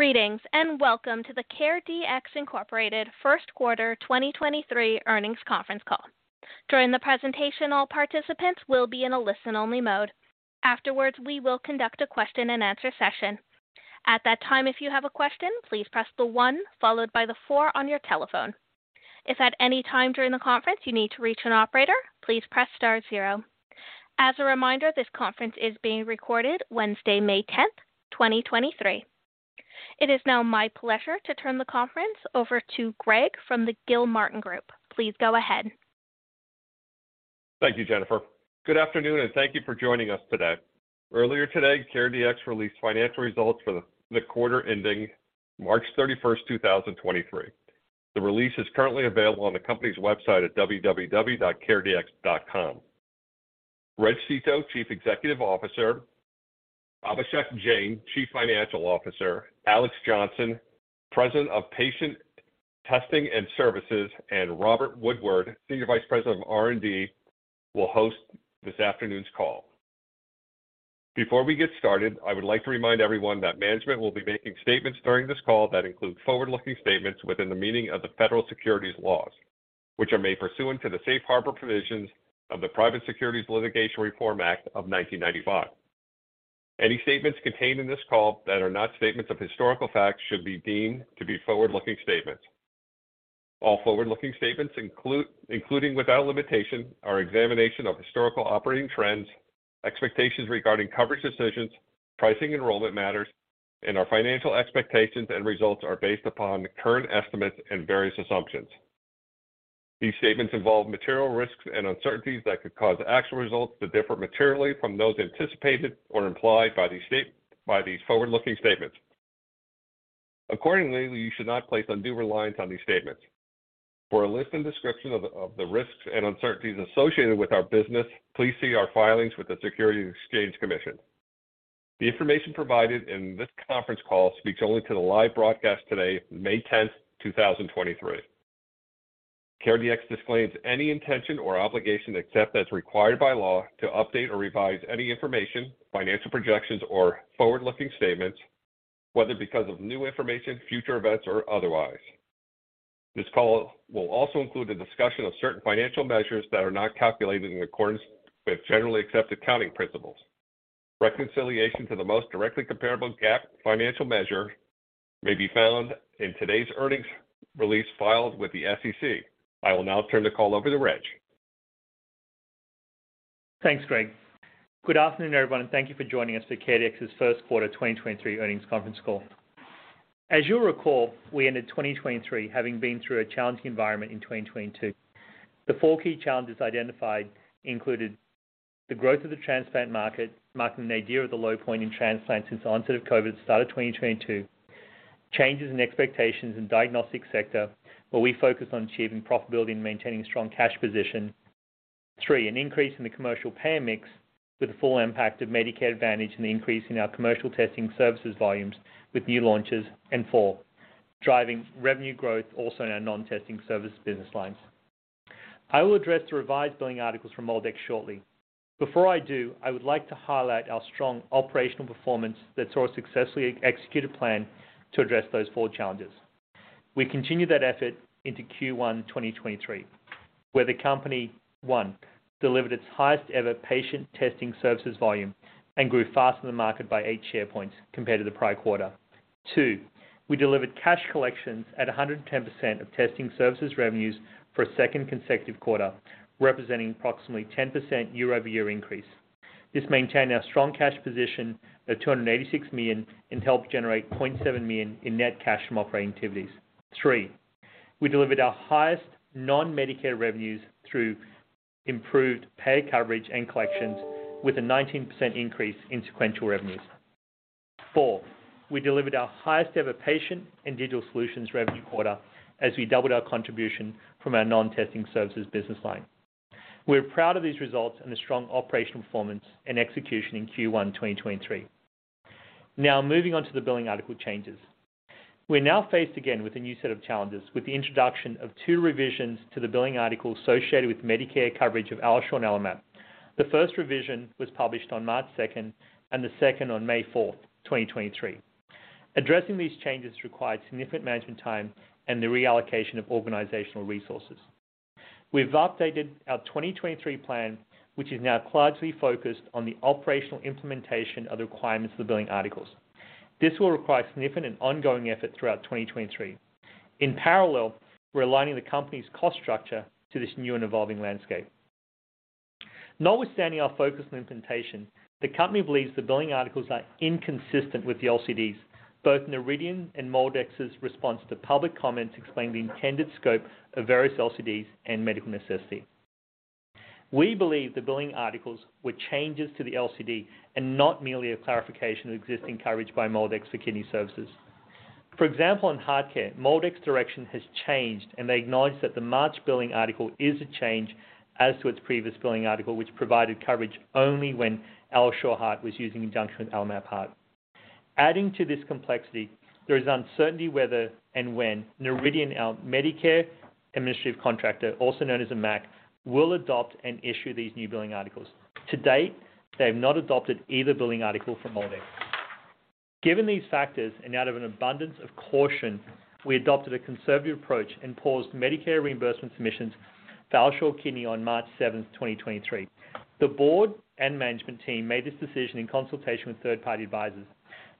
Greetings, welcome to the CareDx Incorporated First Quarter 2023 Earnings Conference Call. During the presentation, all participants will be in a listen-only mode. Afterwards, we will conduct a question-and-answer session. At that time, if you have a question, please press the onefour followed by the 4 on your telephone. If at any time during the conference you need to reach an operator, please press star zero. As a reminder, this conference is being recorded Wednesday, May 10th, 2023. It is now my pleasure to turn the conference over to Greg from the Gilmartin Group. Please go ahead. Thank you, Jennifer. Good afternoon, and thank you for joining us today. Earlier today, CareDx released financial results for the quarter ending March 31st, 2023. The release is currently available on the company's website at www.CareDx.com. Reg Seeto, Chief Executive Officer, Abhishek Jain, Chief Financial Officer, Alex Johnson, President of Patient and Testing Services, and Robert Woodward, Senior Vice President of R&D, will host this afternoon's call. Before we get started, I would like to remind everyone that management will be making statements during this call that include forward-looking statements within the meaning of the federal securities laws, which are made pursuant to the Safe Harbor provisions of the Private Securities Litigation Reform Act of 1995. Any statements contained in this call that are not statements of historical fact should be deemed to be forward-looking statements. All forward-looking statements including without limitation, our examination of historical operating trends, expectations regarding coverage decisions, pricing enrollment matters, and our financial expectations and results are based upon current estimates and various assumptions. These statements involve material risks and uncertainties that could cause actual results to differ materially from those anticipated or implied by these forward-looking statements. Accordingly, you should not place undue reliance on these statements. For a list and description of the risks and uncertainties associated with our business, please see our filings with the Securities and Exchange Commission. The information provided in this conference call speaks only to the live broadcast today, May tenth, 2023. CareDx disclaims any intention or obligation, except as required by law, to update or revise any information, financial projections, or forward-looking statements, whether because of new information, future events, or otherwise. This call will also include a discussion of certain financial measures that are not calculated in accordance with generally accepted accounting principles. Reconciliation to the most directly comparable GAAP financial measure may be found in today's earnings release filed with the SEC. I will now turn the call over to Reg. Thanks, Greg. Good afternoon, everyone, and thank you for joining us for CareDx's first quarter 2023 earnings conference call. As you'll recall, we ended 2023 having been through a challenging environment in 2022. The four key challenges identified included the growth of the transplant market, marking the idea of the low point in transplants since the onset of COVID at the start of 2022. Changes in expectations in diagnostic sector, where we focus on achieving profitability and maintaining strong cash position. Three, an increase in the commercial payer mix with the full impact of Medicare Advantage and the increase in our commercial testing services volumes with new launches. Four, driving revenue growth also in our non-testing service business lines. I will address the revised billing articles from MolDx shortly. Before I do, I would like to highlight our strong operational performance that saw a successfully executed plan to address those four challenges. We continued that effort into Q1 2023, where the company. One, delivered its highest-ever patient testing services volume and grew faster than market by 8 share points compared to the prior quarter. Two, we delivered cash collections at 110% of testing services revenues for a second consecutive quarter, representing approximately 10% year-over-year increase. This maintained our strong cash position of $286 million and helped generate $0.7 million in net cash from operating activities. Three, we delivered our highest non-Medicare revenues through improved pay coverage and collections with a 19% increase in sequential revenues. Four, we delivered our highest-ever patient and digital solutions revenue quarter as we doubled our contribution from our non-testing services business line. We're proud of these results and the strong operational performance and execution in Q1 2023. Moving on to the billing article changes. We're now faced again with a new set of challenges with the introduction of two revisions to the billing article associated with Medicare coverage of AlloSure and AlloMap. The first revision was published on March 2nd, and the second on May 4th, 2023. Addressing these changes required significant management time and the reallocation of organizational resources. We've updated our 2023 plan, which is now largely focused on the operational implementation of the requirements of the billing articles. This will require significant and ongoing effort throughout 2023. In parallel, we're aligning the company's cost structure to this new and evolving landscape. Notwithstanding our focus on implementation, the company believes the billing articles are inconsistent with the LCDs, both Noridian and MolDx's response to public comments explaining the intended scope of various LCDs and medical necessity. We believe the billing articles were changes to the LCD and not merely a clarification of existing coverage by MolDx for kidney services. For example, in HeartCare, MolDx direction has changed, and they acknowledge that the March billing article is a change as to its previous billing article, which provided coverage only when AlloSure Heart was used in conjunction with AlloMap Heart. Adding to this complexity, there is uncertainty whether and when Noridian, our Medicare Administrative Contractor, also known as a MAC, will adopt and issue these new billing articles. To date, they have not adopted either billing article from MolDx. Given these factors and out of an abundance of caution, we adopted a conservative approach and paused Medicare reimbursement submissions for AlloSure Kidney on March 7, 2023. The board and management team made this decision in consultation with third-party advisors.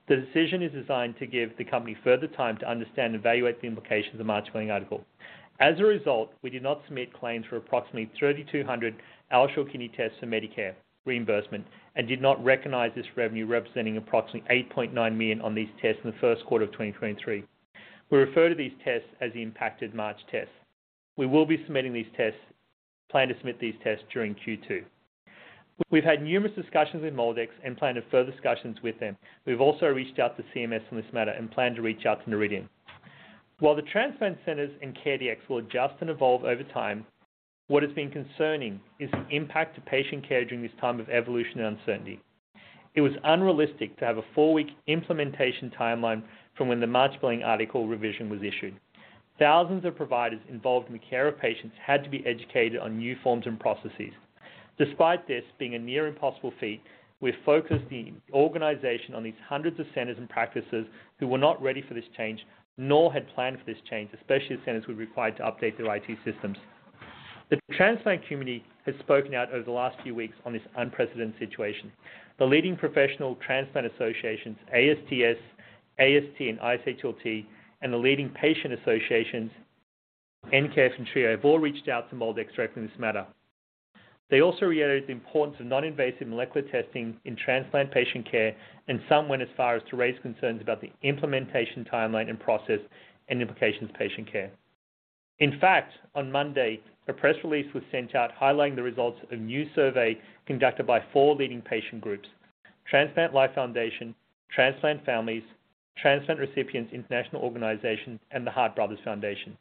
The decision is designed to give the company further time to understand and evaluate the implications of March billing article. We did not submit claims for approximately 3,200 AlloSure Kidney tests for Medicare reimbursement and did not recognize this revenue, representing approximately $8.9 million on these tests in the first quarter of 2023. We refer to these tests as the impacted March tests. We plan to submit these tests during Q2. We've had numerous discussions with MolDx and plan to have further discussions with them. We've also reached out to CMS on this matter and plan to reach out to Noridian. While the transplant centers and CareDx will adjust and evolve over time, what has been concerning is the impact to patient care during this time of evolution and uncertainty. It was unrealistic to have a four-week implementation timeline from when the March billing article revision was issued. Thousands of providers involved in the care of patients had to be educated on new forms and processes. Despite this being a near impossible feat, we're focused the organization on these hundreds of centers and practices who were not ready for this change nor had planned for this change, especially the centers who were required to update their IT systems. The transplant community has spoken out over the last few weeks on this unprecedented situation. The leading professional transplant associations, ASTS, AST, and ISHLT, the leading patient associations, NKF, and TRI, have all reached out to MolDx Direct in this matter. They also reiterated the importance of non-invasive molecular testing in transplant patient care, some went as far as to raise concerns about the implementation timeline and process and implications of patient care. In fact, on Monday, a press release was sent out highlighting the results of a new survey conducted by four leading patient groups, Transplant Life Foundation, Transplant Families, Transplant Recipients International Organization, and the Heart Brothers Foundation,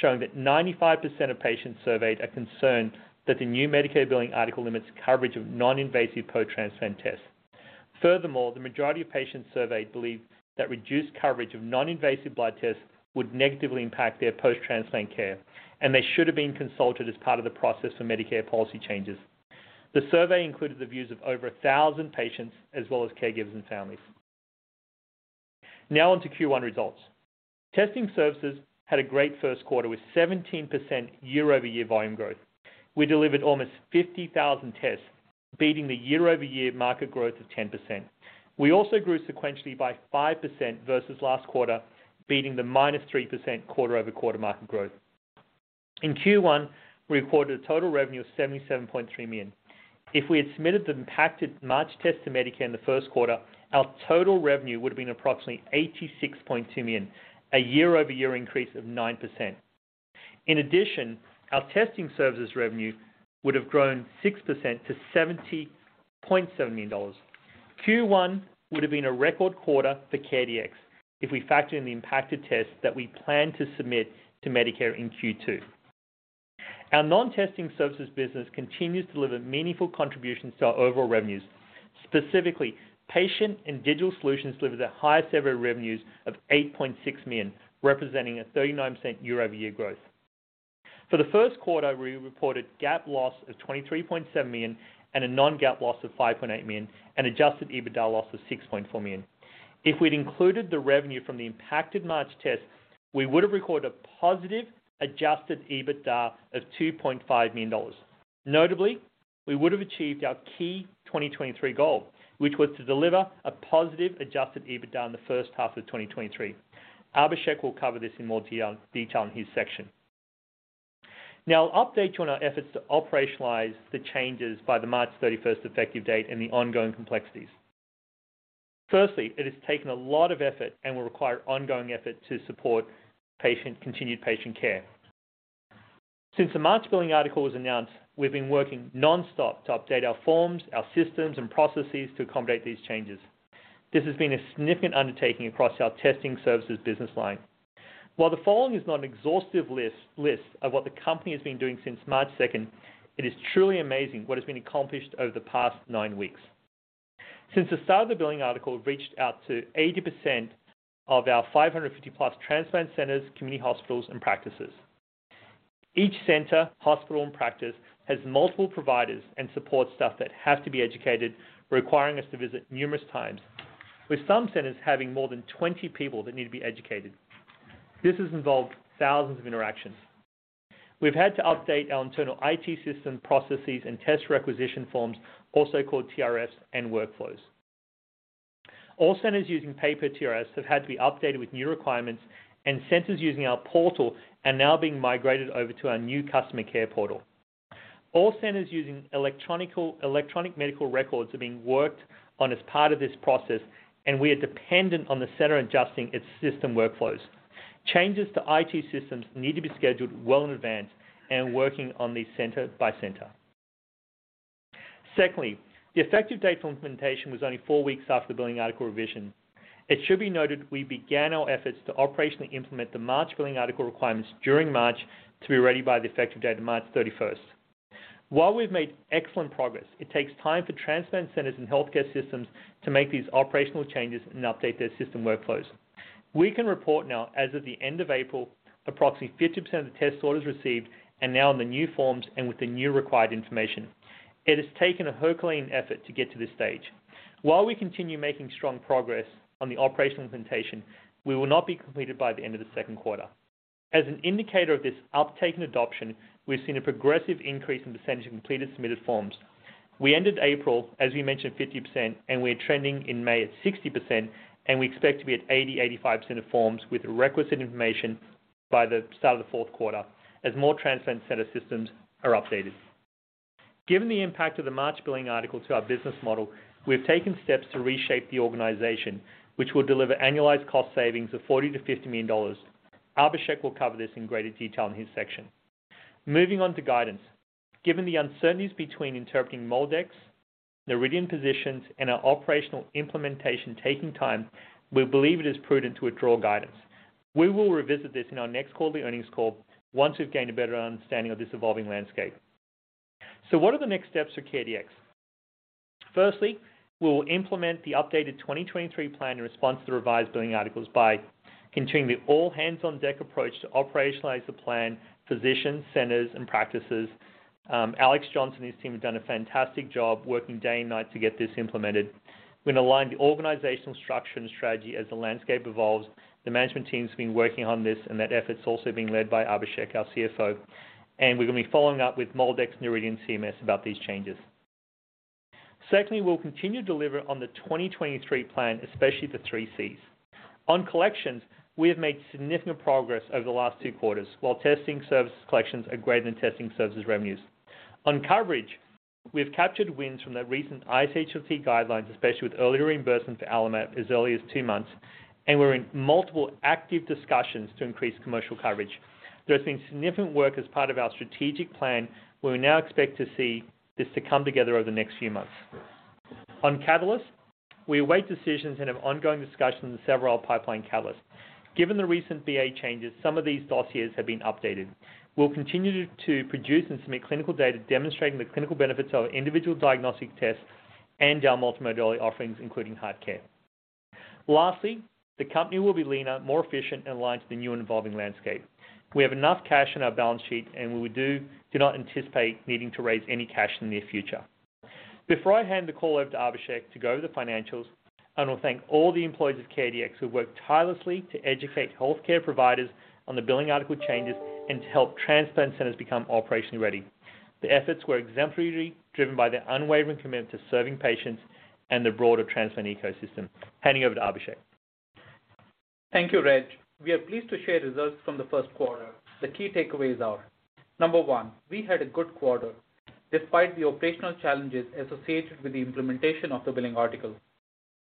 showing that 95% of patients surveyed are concerned that the new Medicare billing article limits coverage of non-invasive post-transplant tests. Furthermore, the majority of patients surveyed believe that reduced coverage of non-invasive blood tests would negatively impact their post-transplant care, and they should have been consulted as part of the process for Medicare policy changes. The survey included the views of over 1,000 patients as well as caregivers and families. Now on to Q1 results. Testing services had a great first quarter with 17% year-over-year volume growth. We delivered almost 50,000 tests, beating the year-over-year market growth of 10%. We also grew sequentially by 5% versus last quarter, beating the -3% quarter-over-quarter market growth. In Q1, we recorded a total revenue of $77.3 million. If we had submitted the impacted March test to Medicare in the first quarter, our total revenue would have been approximately $86.2 million, a year-over-year increase of 9%. In addition, our testing services revenue would have grown 6% to $70.7 million. Q1 would have been a record quarter for CareDx if we factor in the impacted tests that we plan to submit to Medicare in Q2. Our non-testing services business continues to deliver meaningful contributions to our overall revenues. Specifically, patient and digital solutions delivered their highest-ever revenues of $8.6 million, representing a 39% year-over-year growth. For the first quarter, we reported GAAP loss of $23.7 million and a non-GAAP loss of $5.8 million and adjusted EBITDA loss of $6.4 million. If we'd included the revenue from the impacted March test, we would have recorded a positive adjusted EBITDA of $2.5 million. Notably, we would have achieved our key 2023 goal, which was to deliver a positive adjusted EBITDA in the first half of 2023. Abhishek will cover this in more detail in his section. Now I'll update you on our efforts to operationalize the changes by the March 31st effective date and the ongoing complexities. Firstly, it has taken a lot of effort and will require ongoing effort to support continued patient care. Since the March billing article was announced, we've been working nonstop to update our forms, our systems, and processes to accommodate these changes. This has been a significant undertaking across our testing services business line. While the following is not an exhaustive list of what the company has been doing since March 2nd, it is truly amazing what has been accomplished over the past nine weeks. Since the start of the billing article, we've reached out to 80% of our 550-plus transplant centers, community hospitals, and practices. Each center, hospital, and practice has multiple providers and support staff that have to be educated, requiring us to visit numerous times, with some centers having more than 20 people that need to be educated. This has involved thousands of interactions. We've had to update our internal IT system processes and Test Requisition Forms, also called TRFs, and workflows. All centers using paper TRFs have had to be updated with new requirements, and centers using our portal are now being migrated over to our new customer care portal. All centers using electronic medical records are being worked on as part of this process, and we are dependent on the center adjusting its system workflows. Changes to IT systems need to be scheduled well in advance and working on these center by center. The effective date for implementation was only four weeks after the billing article revision. It should be noted we began our efforts to operationally implement the March billing article requirements during March to be ready by the effective date of March 31st. We've made excellent progress, it takes time for transplant centers and healthcare systems to make these operational changes and update their system workflows. We can report now, as of the end of April, approximately 50% of the test orders received are now in the new forms and with the new required information. It has taken a Herculean effort to get to this stage. We continue making strong progress on the operational implementation, we will not be completed by the end of the second quarter. As an indicator of this uptake and adoption, we've seen a progressive increase in percentage of completed submitted forms. We ended April, as we mentioned, 50%, and we're trending in May at 60%, and we expect to be at 80%-85% of forms with requisite information by the start of the fourth quarter as more transplant center systems are updated. Given the impact of the March billing article to our business model, we have taken steps to reshape the organization, which will deliver annualized cost savings of $40 million-$50 million. Abhishek will cover this in greater detail in his section. Moving on to guidance. Given the uncertainties between interpreting MolDx, Noridian positions, and our operational implementation taking time, we believe it is prudent to withdraw guidance. We will revisit this in our next quarterly earnings call once we've gained a better understanding of this evolving landscape. What are the next steps for CareDx? Firstly, we will implement the updated 2023 plan in response to the revised billing articles by continuing the all-hands-on-deck approach to operationalize the plan, physicians, centers, and practices. Alex Johnson and his team have done a fantastic job working day and night to get this implemented. We're gonna align the organizational structure and strategy as the landscape evolves. The management team's been working on this, and that effort's also being led by Abhishek, our CFO. We're gonna be following up with MolDX, Noridian, CMS about these changes. Secondly, we'll continue to deliver on the 2023 plan, especially the three Cs. On collections, we have made significant progress over the last two quarters while testing services collections are greater than testing services revenues. On coverage, we have captured wins from the recent ISHLT guidelines, especially with earlier reimbursement for AlloSure as early as two months. We're in multiple active discussions to increase commercial coverage. There's been significant work as part of our strategic plan where we now expect to see this to come together over the next few months. On catalysts, we await decisions and have ongoing discussions with several pipeline catalysts. Given the recent BA changes, some of these dossiers have been updated. We'll continue to produce and submit clinical data demonstrating the clinical benefits of our individual diagnostic tests and our multimodality offerings, including HeartCare. Lastly, the company will be leaner, more efficient, and aligned to the new and evolving landscape. We have enough cash on our balance sheet. We do not anticipate needing to raise any cash in the near future. Before I hand the call over to Abhishek to go over the financials, I wanna thank all the employees of CareDx who have worked tirelessly to educate healthcare providers on the billing article changes and to help transplant centers become operationally ready. The efforts were exemplarily driven by their unwavering commitment to serving patients and the broader transplant ecosystem. Handing over to Abhishek. Thank you, Reg. We are pleased to share results from the first quarter. The key takeaways are, Number one, we had a good quarter despite the operational challenges associated with the implementation of the billing article.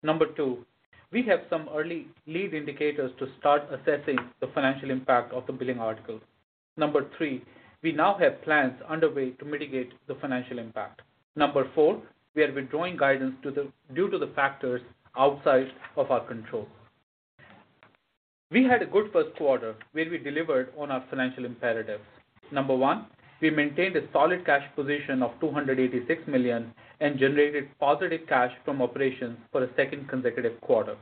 Number two, we have some early lead indicators to start assessing the financial impact of the billing article. Number three, we now have plans underway to mitigate the financial impact. Number four, we are withdrawing guidance due to the factors outside of our control. We had a good first quarter where we delivered on our financial imperatives. Number one, we maintained a solid cash position of $286 million and generated positive cash from operations for a second consecutive quarter.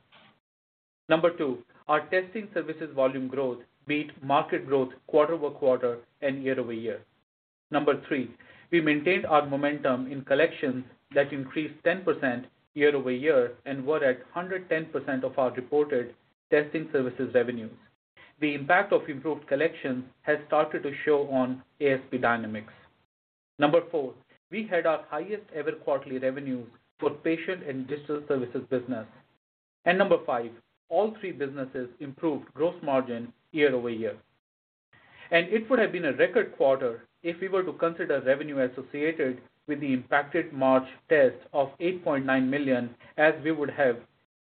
Number two, our testing services volume growth beat market growth quarter-over-quarter and year-over-year. Number three, we maintained our momentum in collections that increased 10% year-over-year and were at 110% of our reported testing services revenues. The impact of improved collections has started to show on ASP dynamics. Number four, we had our highest ever quarterly revenues for patient and digital services business. Number five, all three businesses improved gross margin year-over-year. It would have been a record quarter if we were to consider revenue associated with the impacted March test of $8.9 million, as we would have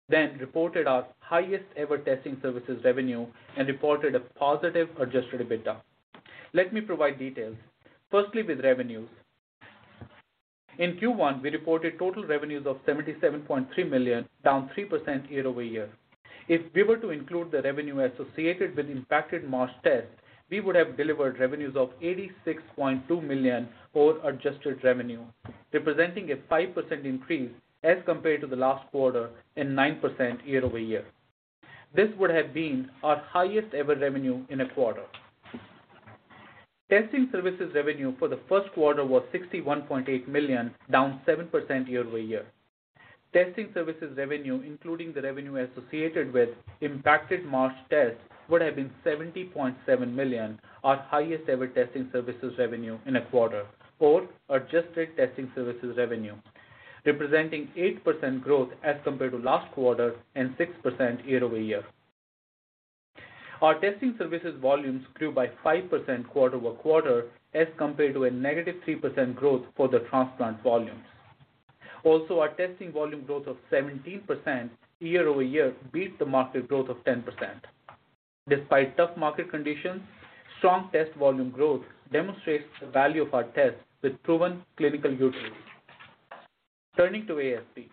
then reported our highest ever testing services revenue and reported a positive adjusted EBITDA. Let me provide details. Firstly, with revenues. In Q1, we reported total revenues of $77.3 million, down 3% year-over-year. If we were to include the revenue associated with impacted March test, we would have delivered revenues of $86.2 million or adjusted revenue, representing a 5% increase as compared to the last quarter and 9% year-over-year. This would have been our highest ever revenue in a quarter. Testing services revenue for the first quarter was $61.8 million, down 7% year-over-year. Testing services revenue, including the revenue associated with impacted March tests, would have been $70.7 million, our highest ever testing services revenue in a quarter or adjusted testing services revenue, representing 8% growth as compared to last quarter and 6% year-over-year. Our testing services volumes grew by 5% quarter-over-quarter as compared to a negative 3% growth for the transplant volumes. Also, our testing volume growth of 17% year-over-year beat the market growth of 10%. Despite tough market conditions, strong test volume growth demonstrates the value of our tests with proven clinical utility. Turning to ASP.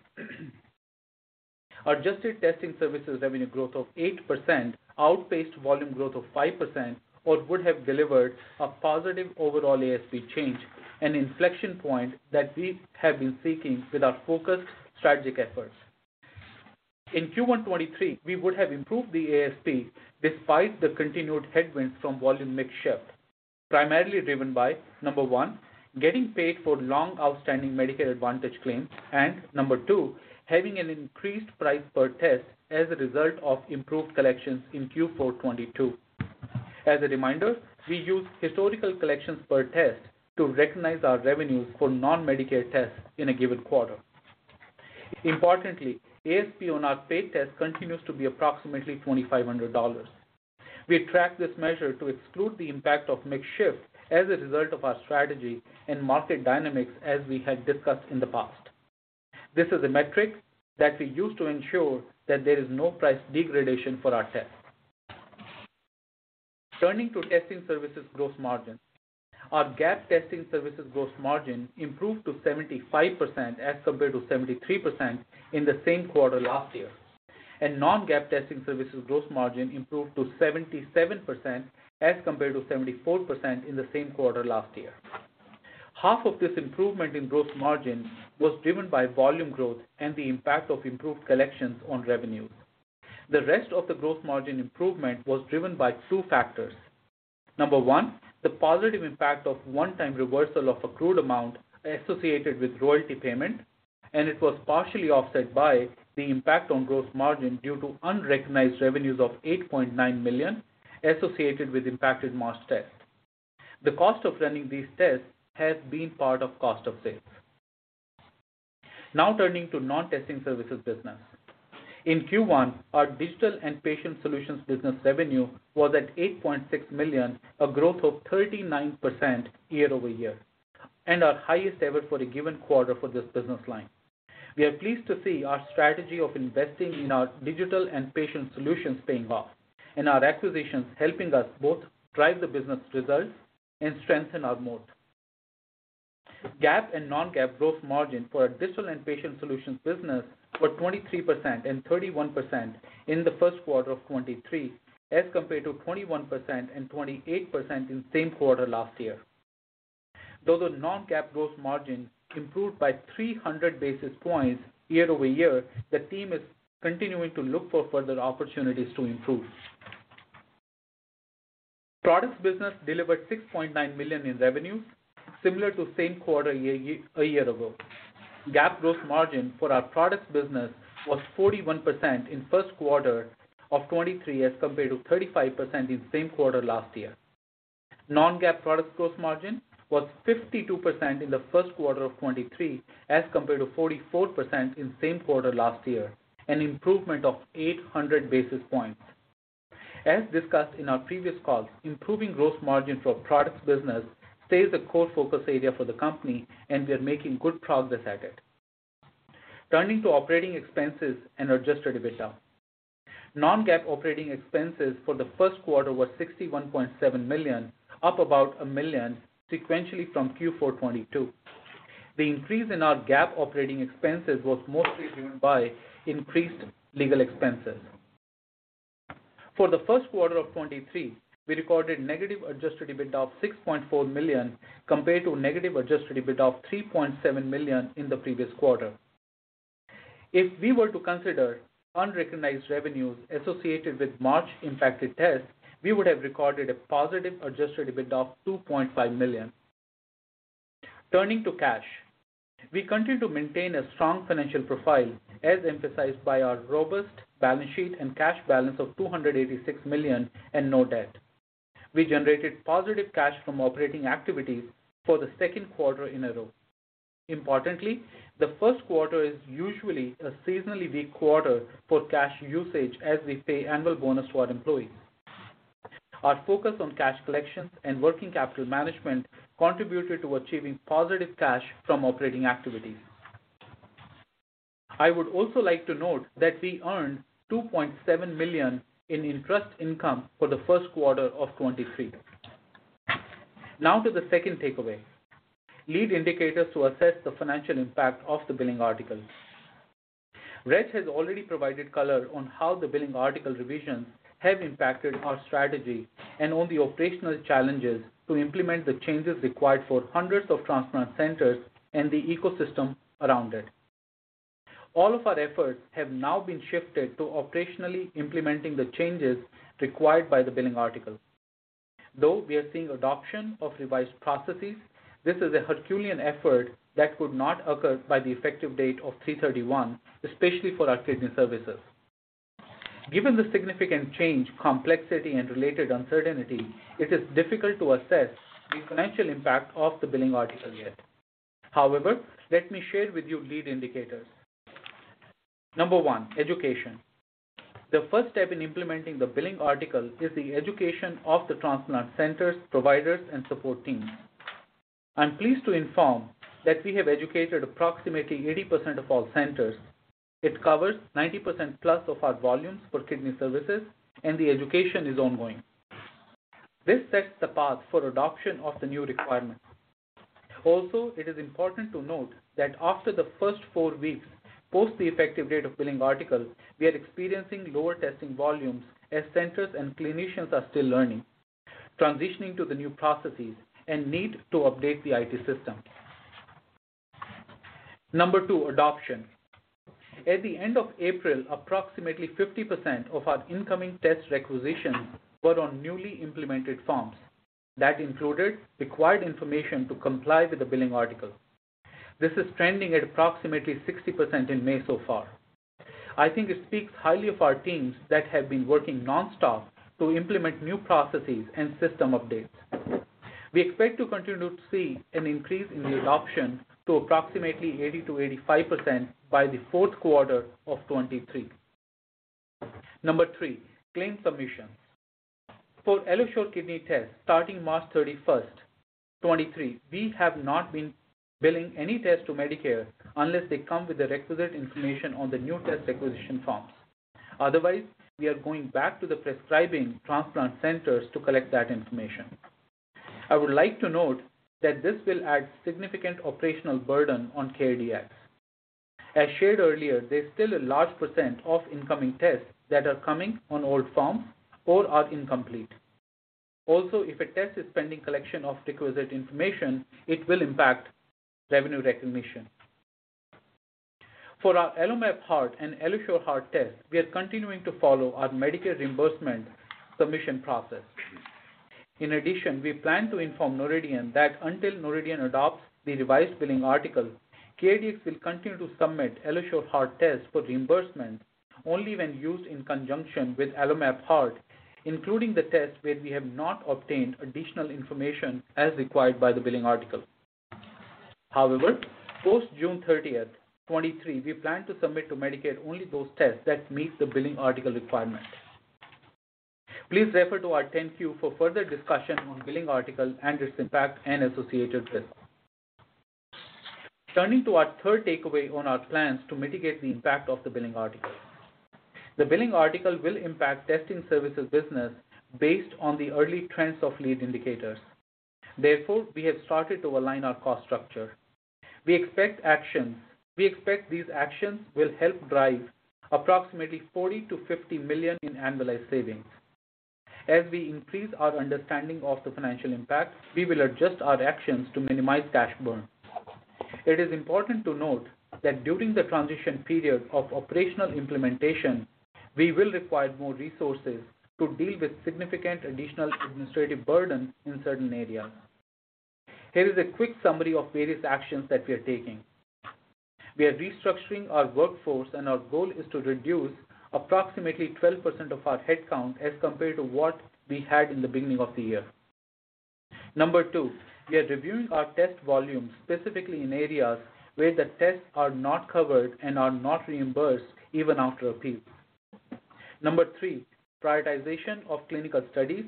Adjusted testing services revenue growth of 8% outpaced volume growth of 5% or would have delivered a positive overall ASP change, an inflection point that we have been seeking with our focused strategic efforts. In Q1 2023, we would have improved the ASP despite the continued headwinds from volume mix shift, primarily driven by, number one, getting paid for long outstanding Medicare Advantage claims, and number two, having an increased price per test as a result of improved collections in Q4 2022. As a reminder, we use historical collections per test to recognize our revenues for non-Medicare tests in a given quarter. ASP on our paid test continues to be approximately $2,500. We track this measure to exclude the impact of mix shift as a result of our strategy and market dynamics as we had discussed in the past. This is a metric that we use to ensure that there is no price degradation for our tests. Turning to testing services gross margin. Our GAAP testing services gross margin improved to 75% as compared to 73% in the same quarter last year, and non-GAAP testing services gross margin improved to 77% as compared to 74% in the same quarter last year. Half of this improvement in gross margin was driven by volume growth and the impact of improved collections on revenues. The rest of the gross margin improvement was driven by two factors. Number one, the positive impact of one-time reversal of accrued amount associated with royalty payment. It was partially offset by the impact on gross margin due to unrecognized revenues of $8.9 million associated with impacted March test. The cost of running these tests has been part of cost of sales. Turning to non-testing services business. In Q1, our digital and patient solutions business revenue was at $8.6 million, a growth of 39% year-over-year. Our highest ever for a given quarter for this business line. We are pleased to see our strategy of investing in our digital and patient solutions paying off. Our acquisitions helping us both drive the business results and strengthen our mode. GAAP and non-GAAP gross margin for our digital and patient solutions business were 23% and 31% in the first quarter of 2023, as compared to 21% and 28% in same quarter last year. Though the non-GAAP gross margin improved by 300 basis points year-over-year, the team is continuing to look for further opportunities to improve. Products business delivered $6.9 million in revenues, similar to same quarter a year ago. GAAP gross margin for our products business was 41% in first quarter of 2023, as compared to 35% in same quarter last year. Non-GAAP products gross margin was 52% in the first quarter of 2023, as compared to 44% in same quarter last year, an improvement of 800 basis points. As discussed in our previous calls, improving gross margin for products business stays a core focus area for the company, and we are making good progress at it. Turning to operating expenses and adjusted EBITDA. Non-GAAP operating expenses for the first quarter was $61.7 million, up about $1 million sequentially from Q4 2022. The increase in our GAAP operating expenses was mostly driven by increased legal expenses. For the first quarter of 2023, we recorded negative adjusted EBITDA of $6.4 million compared to negative adjusted EBITDA of $3.7 million in the previous quarter. If we were to consider unrecognized revenues associated with March impacted tests, we would have recorded a positive adjusted EBITDA of $2.5 million. Turning to cash. We continue to maintain a strong financial profile as emphasized by our robust balance sheet and cash balance of $286 million and no debt. We generated positive cash from operating activities for the second quarter in a row. Importantly, the first quarter is usually a seasonally weak quarter for cash usage as we pay annual bonus to our employees. Our focus on cash collections and working capital management contributed to achieving positive cash from operating activities. I would also like to note that we earned $2.7 million in interest income for the first quarter of 2023. To the second takeaway, lead indicators to assess the financial impact of the billing article. Reg has already provided color on how the billing article revisions have impacted our strategy and on the operational challenges to implement the changes required for hundreds of transplant centers and the ecosystem around it. All of our efforts have now been shifted to operationally implementing the changes required by the billing article. Though we are seeing adoption of revised processes, this is a Herculean effort that could not occur by the effective date of 3/31, especially for our kidney services. Given the significant change, complexity and related uncertainty, it is difficult to assess the financial impact of the billing article yet. Let me share with you lead indicators. Number one, education. The first step in implementing the billing article is the education of the transplant centers, providers and support teams. I'm pleased to inform that we have educated approximately 80% of all centers. It covers 90%+ of our volumes for kidney services, and the education is ongoing. This sets the path for adoption of the new requirements. Also, it is important to note that after the first four weeks, post the effective date of billing article, we are experiencing lower testing volumes as centers and clinicians are still learning, transitioning to the new processes and need to update the IT system. Number two, adoption. At the end of April, approximately 50% of our incoming test requisitions were on newly implemented forms that included required information to comply with the billing article. This is trending at approximately 60% in May so far. I think it speaks highly of our teams that have been working nonstop to implement new processes and system updates. We expect to continue to see an increase in the adoption to approximately 80%-85% by the fourth quarter of 2023. Number three, claim submission. For AlloSure Kidney test starting March 31, 2023, we have not been billing any test to Medicare unless they come with the requisite information on the new test requisition forms. We are going back to the prescribing transplant centers to collect that information. I would like to note that this will add significant operational burden on CareDx. As shared earlier, there's still a large percentage of incoming tests that are coming on old forms or are incomplete. If a test is pending collection of requisite information, it will impact revenue recognition. For our AlloMap Heart and AlloSure Heart test, we are continuing to follow our Medicare reimbursement submission process. In addition, we plan to inform Noridian that until Noridian adopts the revised billing article, CareDx will continue to submit AlloSure Heart tests for reimbursement only when used in conjunction with AlloMap Heart, including the test where we have not obtained additional information as required by the billing article. However, post June 30th, 2023, we plan to submit to Medicare only those tests that meet the billing article requirement. Please refer to our 10-Q for further discussion on billing article and its impact and associated risks. Turning to our third takeaway on our plans to mitigate the impact of the billing article. The billing article will impact testing services business based on the early trends of lead indicators. Therefore, we have started to align our cost structure. We expect these actions will help drive approximately $40 million-$50 million in annualized savings. As we increase our understanding of the financial impact, we will adjust our actions to minimize cash burn. It is important to note that during the transition period of operational implementation, we will require more resources to deal with significant additional administrative burden in certain areas. Here is a quick summary of various actions that we are taking. We are restructuring our workforce and our goal is to reduce approximately 12% of our headcount as compared to what we had in the beginning of the year. Two. We are reviewing our test volumes, specifically in areas where the tests are not covered and are not reimbursed even after appeal. Three. Prioritization of clinical studies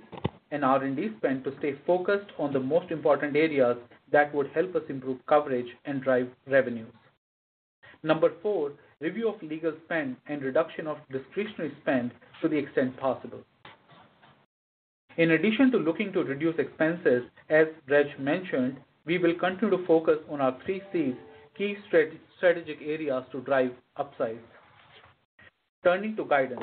and R&D spend to stay focused on the most important areas that would help us improve coverage and drive revenues. Number four, review of legal spend and reduction of discretionary spend to the extent possible. In addition to looking to reduce expenses, as Reg mentioned, we will continue to focus on our three C's key strategic areas to drive upsides. Turning to guidance.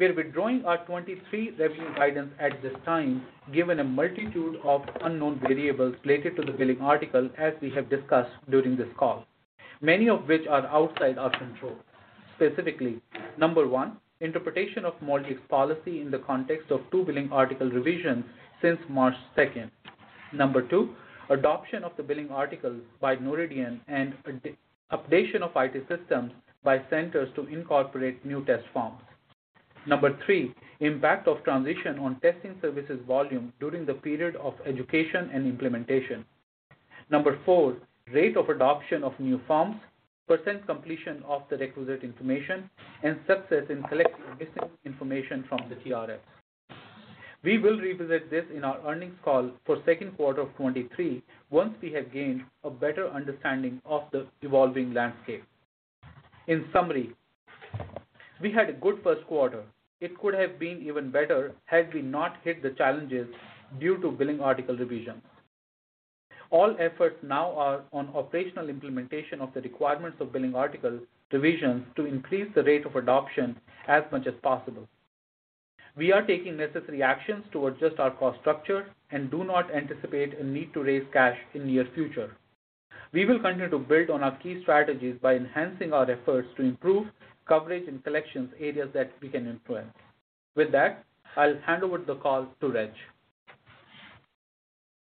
We're withdrawing our 23 revenue guidance at this time, given a multitude of unknown variables related to the billing article as we have discussed during this call, many of which are outside our control. Specifically, number one, interpretation of MolDX policy in the context of two billing article revisions since March second. Number two, adoption of the billing article by Noridian and updation of IT systems by centers to incorporate new test forms. Number three, impact of transition on testing services volume during the period of education and implementation. Number four, rate of adoption of new forms, percent completion of the requisite information, and success in collecting missing information from the TRFs. We will revisit this in our earnings call for second quarter of 2023 once we have gained a better understanding of the evolving landscape. In summary, we had a good first quarter. It could have been even better had we not hit the challenges due to billing article revisions. All efforts now are on operational implementation of the requirements of billing article revisions to increase the rate of adoption as much as possible. We are taking necessary actions to adjust our cost structure and do not anticipate a need to raise cash in near future. We will continue to build on our key strategies by enhancing our efforts to improve coverage and collections areas that we can influence. With that, I'll hand over the call to Reg.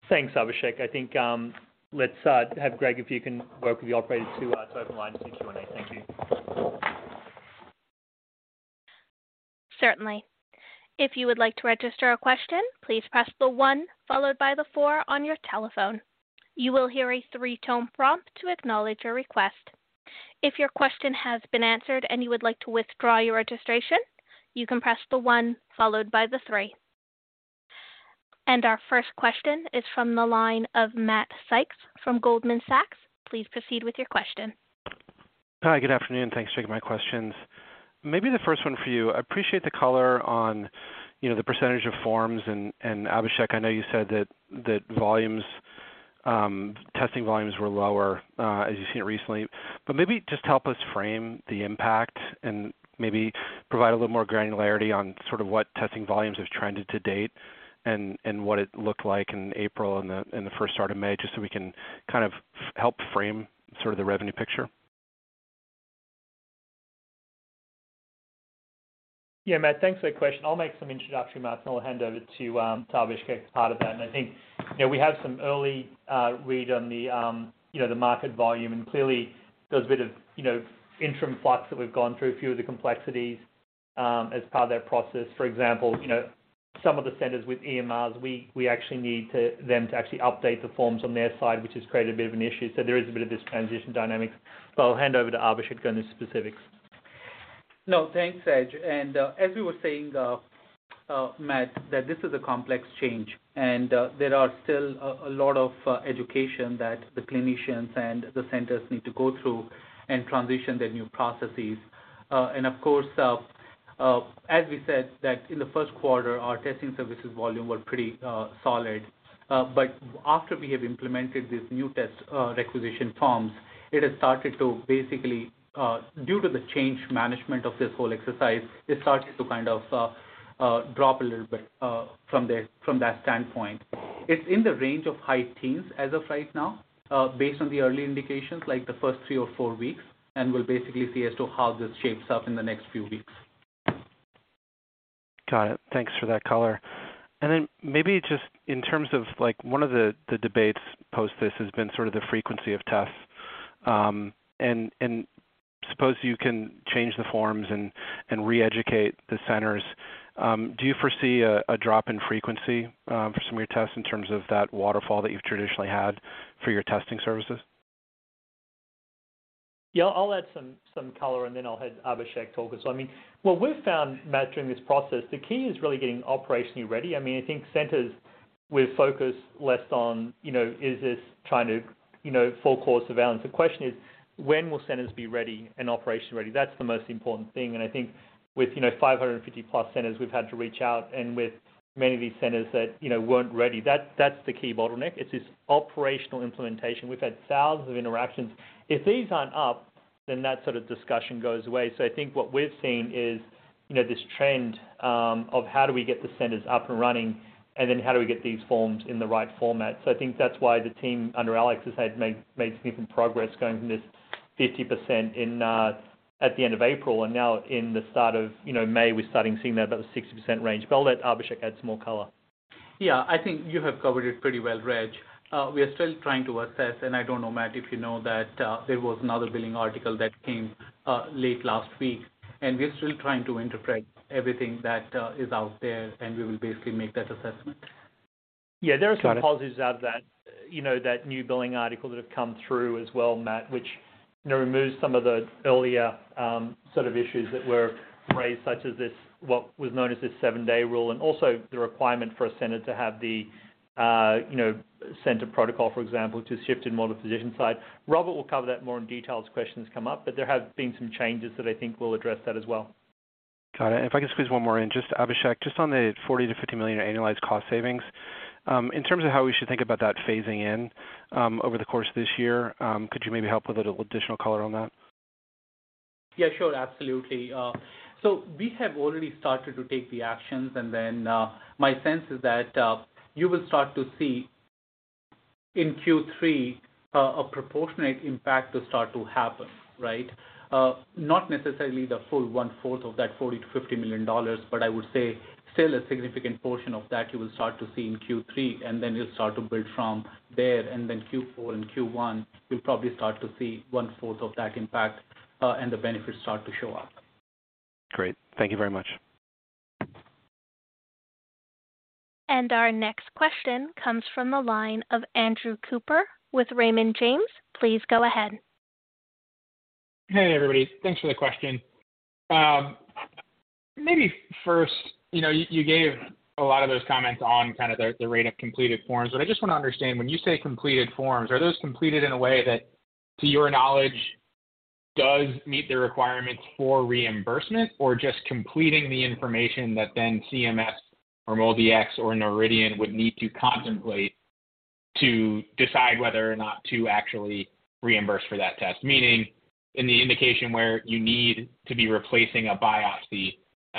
Thanks, Abhishek. I think, let's have Greg, if you can work with the operator to open lines in Q&A. Thank you. Certainly. If you would like to register a question, please press the one followed by the four on your telephone. You will hear a three-tone prompt to acknowledge your request. If your question has been answered and you would like to withdraw your registration, you can press the one followed by the three. Our first question is from the line of Matt Sykes from Goldman Sachs. Please proceed with your question. Hi, good afternoon. Thanks for taking my questions. Maybe the first one for you. I appreciate the color on, you know, the percentage of forms and Abhishek, I know you said that volumes, testing volumes were lower as you've seen recently, but maybe just help us frame the impact and maybe provide a little more granularity on sort of what testing volumes have trended to date and what it looked like in April and the first start of May, just so we can kind of help frame sort of the revenue picture. Yeah, Matt, thanks for the question. I'll make some introductory remarks, and I'll hand over to Abhishek as part of that. I think, you know, we have some early read on the, you know, the market volume and clearly there's a bit of, you know, interim flux that we've gone through a few of the complexities as part of that process. For example, you know, some of the centers with EMRs, we actually need them to actually update the forms on their side, which has created a bit of an issue. There is a bit of this transition dynamics, but I'll hand over to Abhishek, go into specifics. No, thanks, Reg. As we were saying, Matt, that this is a complex change and there are still a lot of education that the clinicians and the centers need to go through and transition the new processes. Of course, as we said that in the first quarter, our testing services volume were pretty solid. After we have implemented these new Test Requisition Forms, it has started to basically, due to the change management of this whole exercise, it started to kind of drop a little bit from that standpoint. It's in the range of high teens as of right now, based on the early indications like the first three or four weeks, and we'll basically see as to how this shapes up in the next few weeks. Got it. Thanks for that color. Maybe just in terms of like one of the debates post this has been sort of the frequency of tests. Suppose you can change the forms and re-educate the centers. Do you foresee a drop in frequency for some of your tests in terms of that waterfall that you've traditionally had for your testing services? Yeah. I'll add some color and then I'll hand Abhishek talk as well. I mean, what we've found, Matt, during this process, the key is really getting operationally ready. I mean, I think centers with focus less on, you know, is this trying to, you know, full course surveillance. The question is, when will centers be ready and operationally ready? That's the most important thing. I think with, you know, 550+ centers we've had to reach out and with many of these centers that, you know, weren't ready. That's the key bottleneck. It's this operational implementation. We've had thousands of interactions. If these aren't up, then that sort of discussion goes away. I think what we've seen is, you know, this trend, of how do we get the centers up and running and then how do we get these forms in the right format. I think that's why the team under Alex has made significant progress going from this 50% in at the end of April and now in the start of, you know, May, we're starting seeing that about the 60% range. I'll let Abhishek add some more color. Yeah. I think you have covered it pretty well, Reg. We are still trying to assess, and I don't know, Matt, if you know that, there was another billing article that came late last week, and we're still trying to interpret everything that is out there, and we will basically make that assessment. Yeah. Got it. There are some positives out of that, you know, that new billing article that have come through as well, Matt, which, you know, removes some of the earlier, sort of issues that were raised such as this, what was known as this 14-day rule and also the requirement for a center to have the, you know, center protocol, for example, to shift in more the physician side. Robert will cover that more in detail as questions come up, but there have been some changes that I think will address that as well. Got it. If I can squeeze one more in, Abhishek, on the $40 million-$50 million annualized cost savings, in terms of how we should think about that phasing in, over the course of this year, could you maybe help with a little additional color on that? Yeah, sure. Absolutely. We have already started to take the actions and then, my sense is that, you will start to see in Q3 a proportionate impact to start to happen, right? Not necessarily the full 1/4 of that $40 million-$50 million, but I would say still a significant portion of that you will start to see in Q3 and then you'll start to build from there. Q4 and Q1 you'll probably start to see 1/4 of that impact, and the benefits start to show up. Great. Thank you very much. Our next question comes from the line of Andrew Cooper with Raymond James. Please go ahead. Hey, everybody. Thanks for the question. Maybe first, you know, you gave a lot of those comments on kind of the rate of completed forms, but I just wanna understand when you say completed forms, are those completed in a way that to your knowledge does meet the requirements for reimbursement or just completing the information that then CMS or MolDX or Noridian would need to contemplate to decide whether or not to actually reimburse for that test? Meaning in the indication where you need to be replacing a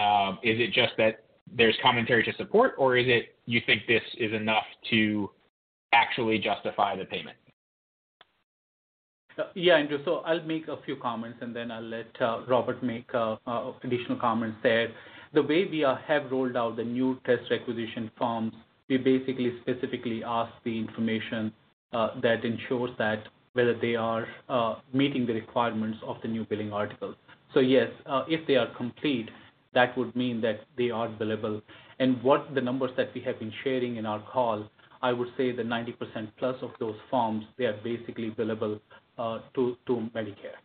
biopsy, is it just that there's commentary to support or is it you think this is enough to actually justify the payment? Yeah, Andrew. I'll make a few comments and then I'll let Robert make additional comments there. The way we have rolled out the new test requisition forms, we basically specifically ask the information that ensures that whether they are meeting the requirements of the new billing articles. Yes, if they are complete, that would mean that they are billable. What the numbers that we have been sharing in our call, I would say that 90% plus of those forms, they are basically billable to Medicare.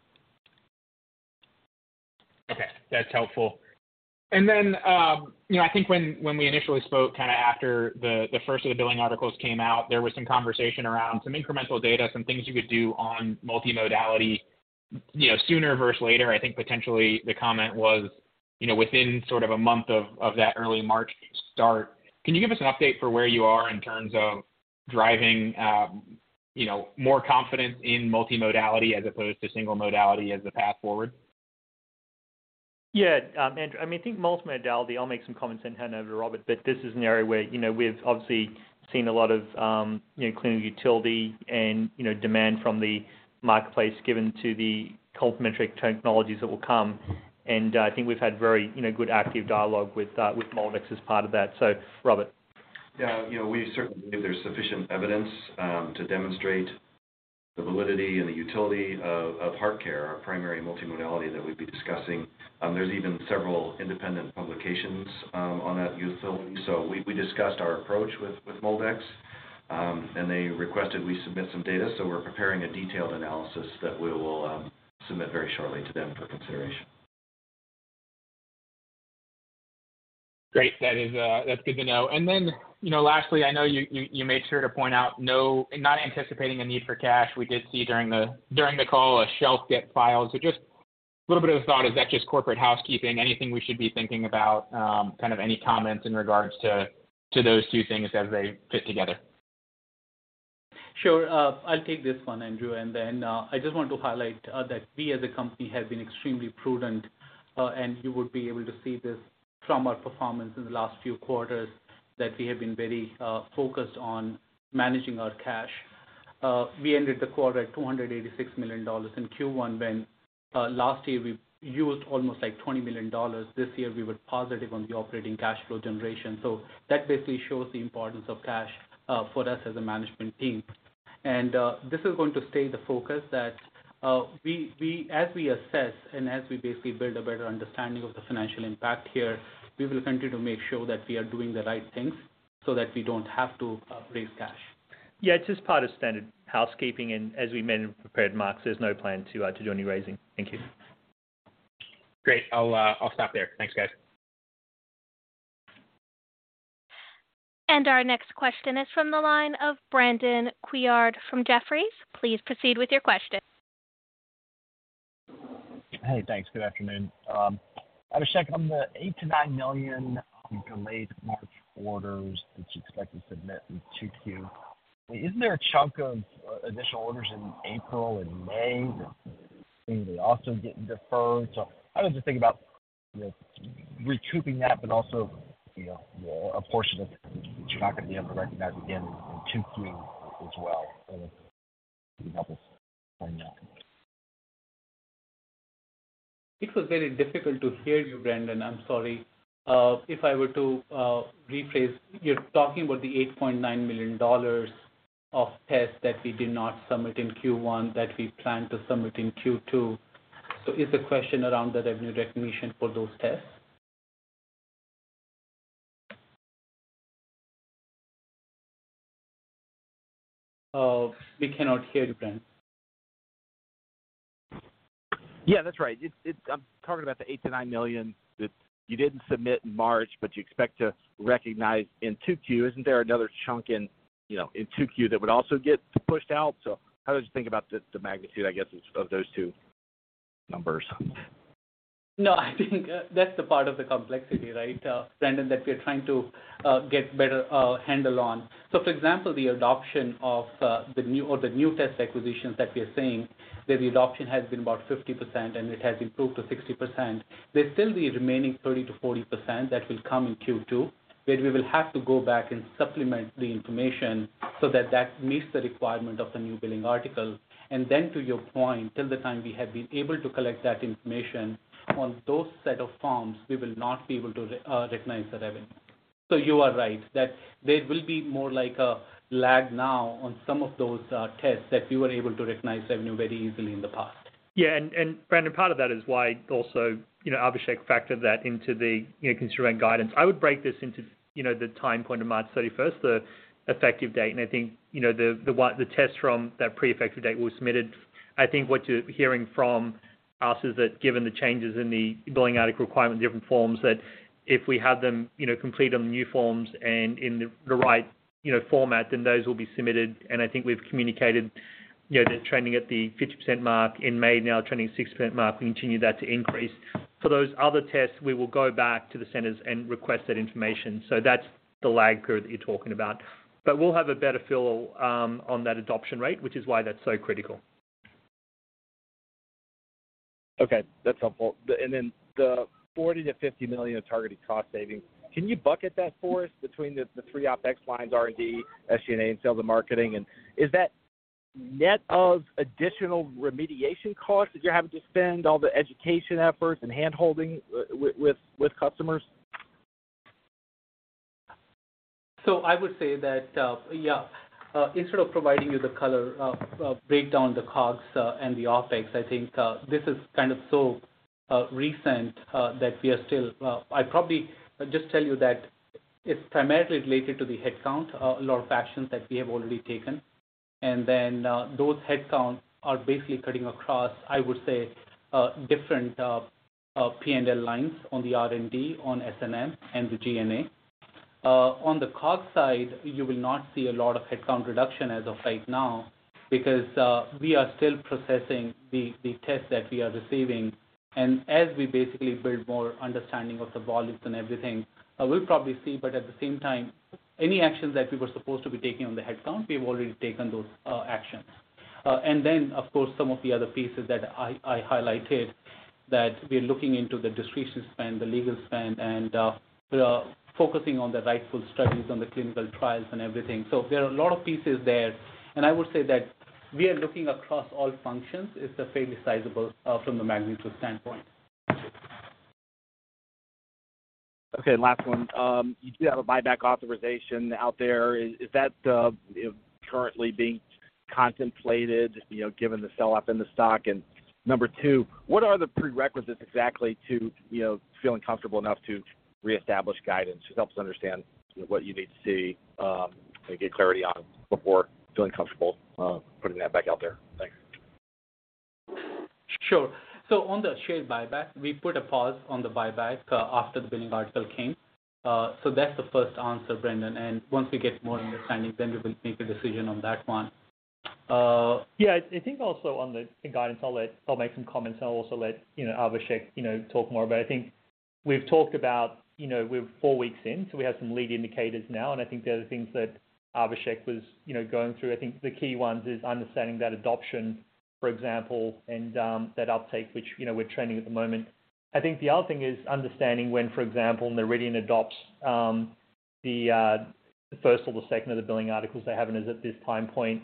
Okay. That's helpful. You know, I think when we initially spoke kinda after the first of the billing articles came out, there was some conversation around some incremental data, some things you could do on multimodality, you know, sooner versus later. I think potentially the comment was, you know, within sort of a month of that early March start. Can you give us an update for where you are in terms of driving, you know, more confidence in multimodality as opposed to single modality as the path forward? Yeah. I mean, I think multimodality, I'll make some comments and hand over to Robert, but this is an area where, you know, we've obviously seen a lot of, you know, clinical utility and, you know, demand from the marketplace given to the complementary technologies that will come. I think we've had very, you know, good active dialogue with MolDX as part of that. Robert. You know, we certainly believe there's sufficient evidence to demonstrate the validity and the utility of HeartCare, our primary multimodality that we've been discussing. There's even several independent publications on that utility. We discussed our approach with MolDx, and they requested we submit some data. We're preparing a detailed analysis that we will submit very shortly to them for consideration. Great. That is, that's good to know. You know, lastly, I know you made sure to point out not anticipating a need for cash. We did see during the call a shelf get filed. Just a little bit of a thought, is that just corporate housekeeping? Kind of any comments in regards to those two things as they fit together? Sure. I'll take this one, Andrew. I just want to highlight, that we as a company have been extremely prudent, and you would be able to see this from our performance in the last few quarters that we have been very, focused on managing our cash. We ended the quarter at $286 million in Q1 when, last year we used almost like $20 million. This year we were positive on the operating cash flow generation. That basically shows the importance of cash, for us as a management team. This is going to stay the focus that as we assess and as we basically build a better understanding of the financial impact here, we will continue to make sure that we are doing the right things so that we don't have to raise cash. Yeah, it's just part of standard housekeeping. As we mentioned and prepared, Mark, there's no plan to do any raising. Thank you. Great. I'll stop there. Thanks, guys. Our next question is from the line of Brandon Couillard from Jefferies. Please proceed with your question. Hey, thanks. Good afternoon. Abhishek, on the $8 million-$9 million delayed March orders that you expect to submit in 2Q, isn't there a chunk of initial orders in April and May that seem they also getting deferred? How did you think about, you know, recouping that, but also, you know, a portion of it, which you're not gonna be able to recognize again in 2Q as well? Can you help us on that? It was very difficult to hear you, Brandon. I'm sorry. If I were to rephrase, you're talking about the $8.9 million of tests that we did not submit in Q1 that we plan to submit in Q2. Is the question around the revenue recognition for those tests? We cannot hear you, Brandon. Yeah, that's right. It's I'm talking about the $8 million-$9 million that you didn't submit in March, but you expect to recognize in 2Q. Isn't there another chunk in, you know, in 2Q that would also get pushed out? How did you think about the magnitude, I guess, of those two numbers? I think that's the part of the complexity, right, Brandon, that we're trying to get better handle on. For example, the adoption of the new or the new test acquisitions that we are seeing, where the adoption has been about 50% and it has improved to 60%, there's still the remaining 30%-40% that will come in Q2, where we will have to go back and supplement the information so that that meets the requirement of the new billing article. To your point, till the time we have been able to collect that information on those set of forms, we will not be able to recognize the revenue. You are right that there will be more like a lag now on some of those tests that we were able to recognize revenue very easily in the past. Brandon, part of that is why also, you know, Abhishek factored that into the, you know, considering guidance. I would break this into, you know, the time point of March 31st, the effective date. I think, you know, the tests from that pre-effective date were submitted. I think what you're hearing from us is that given the changes in the billing article requirement, different forms, that if we had them, you know, complete on the new forms and in the right, you know, format, then those will be submitted. I think we've communicated, you know, the trending at the 50% mark in May, now trending 60% mark. We continue that to increase. For those other tests, we will go back to the centers and request that information. That's the lag period that you're talking about. We'll have a better feel on that adoption rate, which is why that's so critical. Okay, that's helpful. Then the $40 million-$50 million of targeted cost savings, can you bucket that for us between the three OpEx lines, R&D, SG&A, and sales and marketing? Is that net of additional remediation costs that you're having to spend, all the education efforts and hand-holding with customers? I would say that, yeah, instead of providing you the color of breakdown the COGS and the OpEx, I think this is kind of so recent that we are still. I'd probably just tell you that it's primarily related to the headcount law of actions that we have already taken. Those headcounts are basically cutting across, I would say, different P&L lines on the R&D, on S&M, and the G&A. On the COGS side, you will not see a lot of headcount reduction as of right now because we are still processing the tests that we are receiving. As we basically build more understanding of the volumes and everything, we'll probably see. At the same time, any actions that we were supposed to be taking on the headcount, we've already taken those actions. Then, of course, some of the other pieces that I highlighted that we are looking into the discretion spend, the legal spend, and we are focusing on the rightful studies on the clinical trials and everything. There are a lot of pieces there. I would say that we are looking across all functions. It's a fairly sizable, from the magnitude standpoint. Okay, last one. You do have a buyback authorization out there. Is that, you know, currently being contemplated, you know, given the sell-off in the stock? Number 2, what are the prerequisites exactly to, you know, feeling comfortable enough to reestablish guidance? Just help us understand, you know, what you need to see to get clarity on before feeling comfortable putting that back out there. Thanks. Sure. On the share buyback, we put a pause on the buyback after the billing article came. That's the first answer, Brandon. Once we get more understanding, we will make a decision on that one. Yeah. I think also on the guidance, I'll make some comments, and I'll also let, you know, Abhishek, you know, talk more. I think we've talked about, you know, we're 4 weeks in, so we have some lead indicators now. I think the other things that Abhishek was, you know, going through, I think the key ones is understanding that adoption, for example, and that uptake, which, you know, we're trending at the moment. I think the other thing is understanding when, for example, Noridian adopts the first or second of the billing articles they're having is at this time point.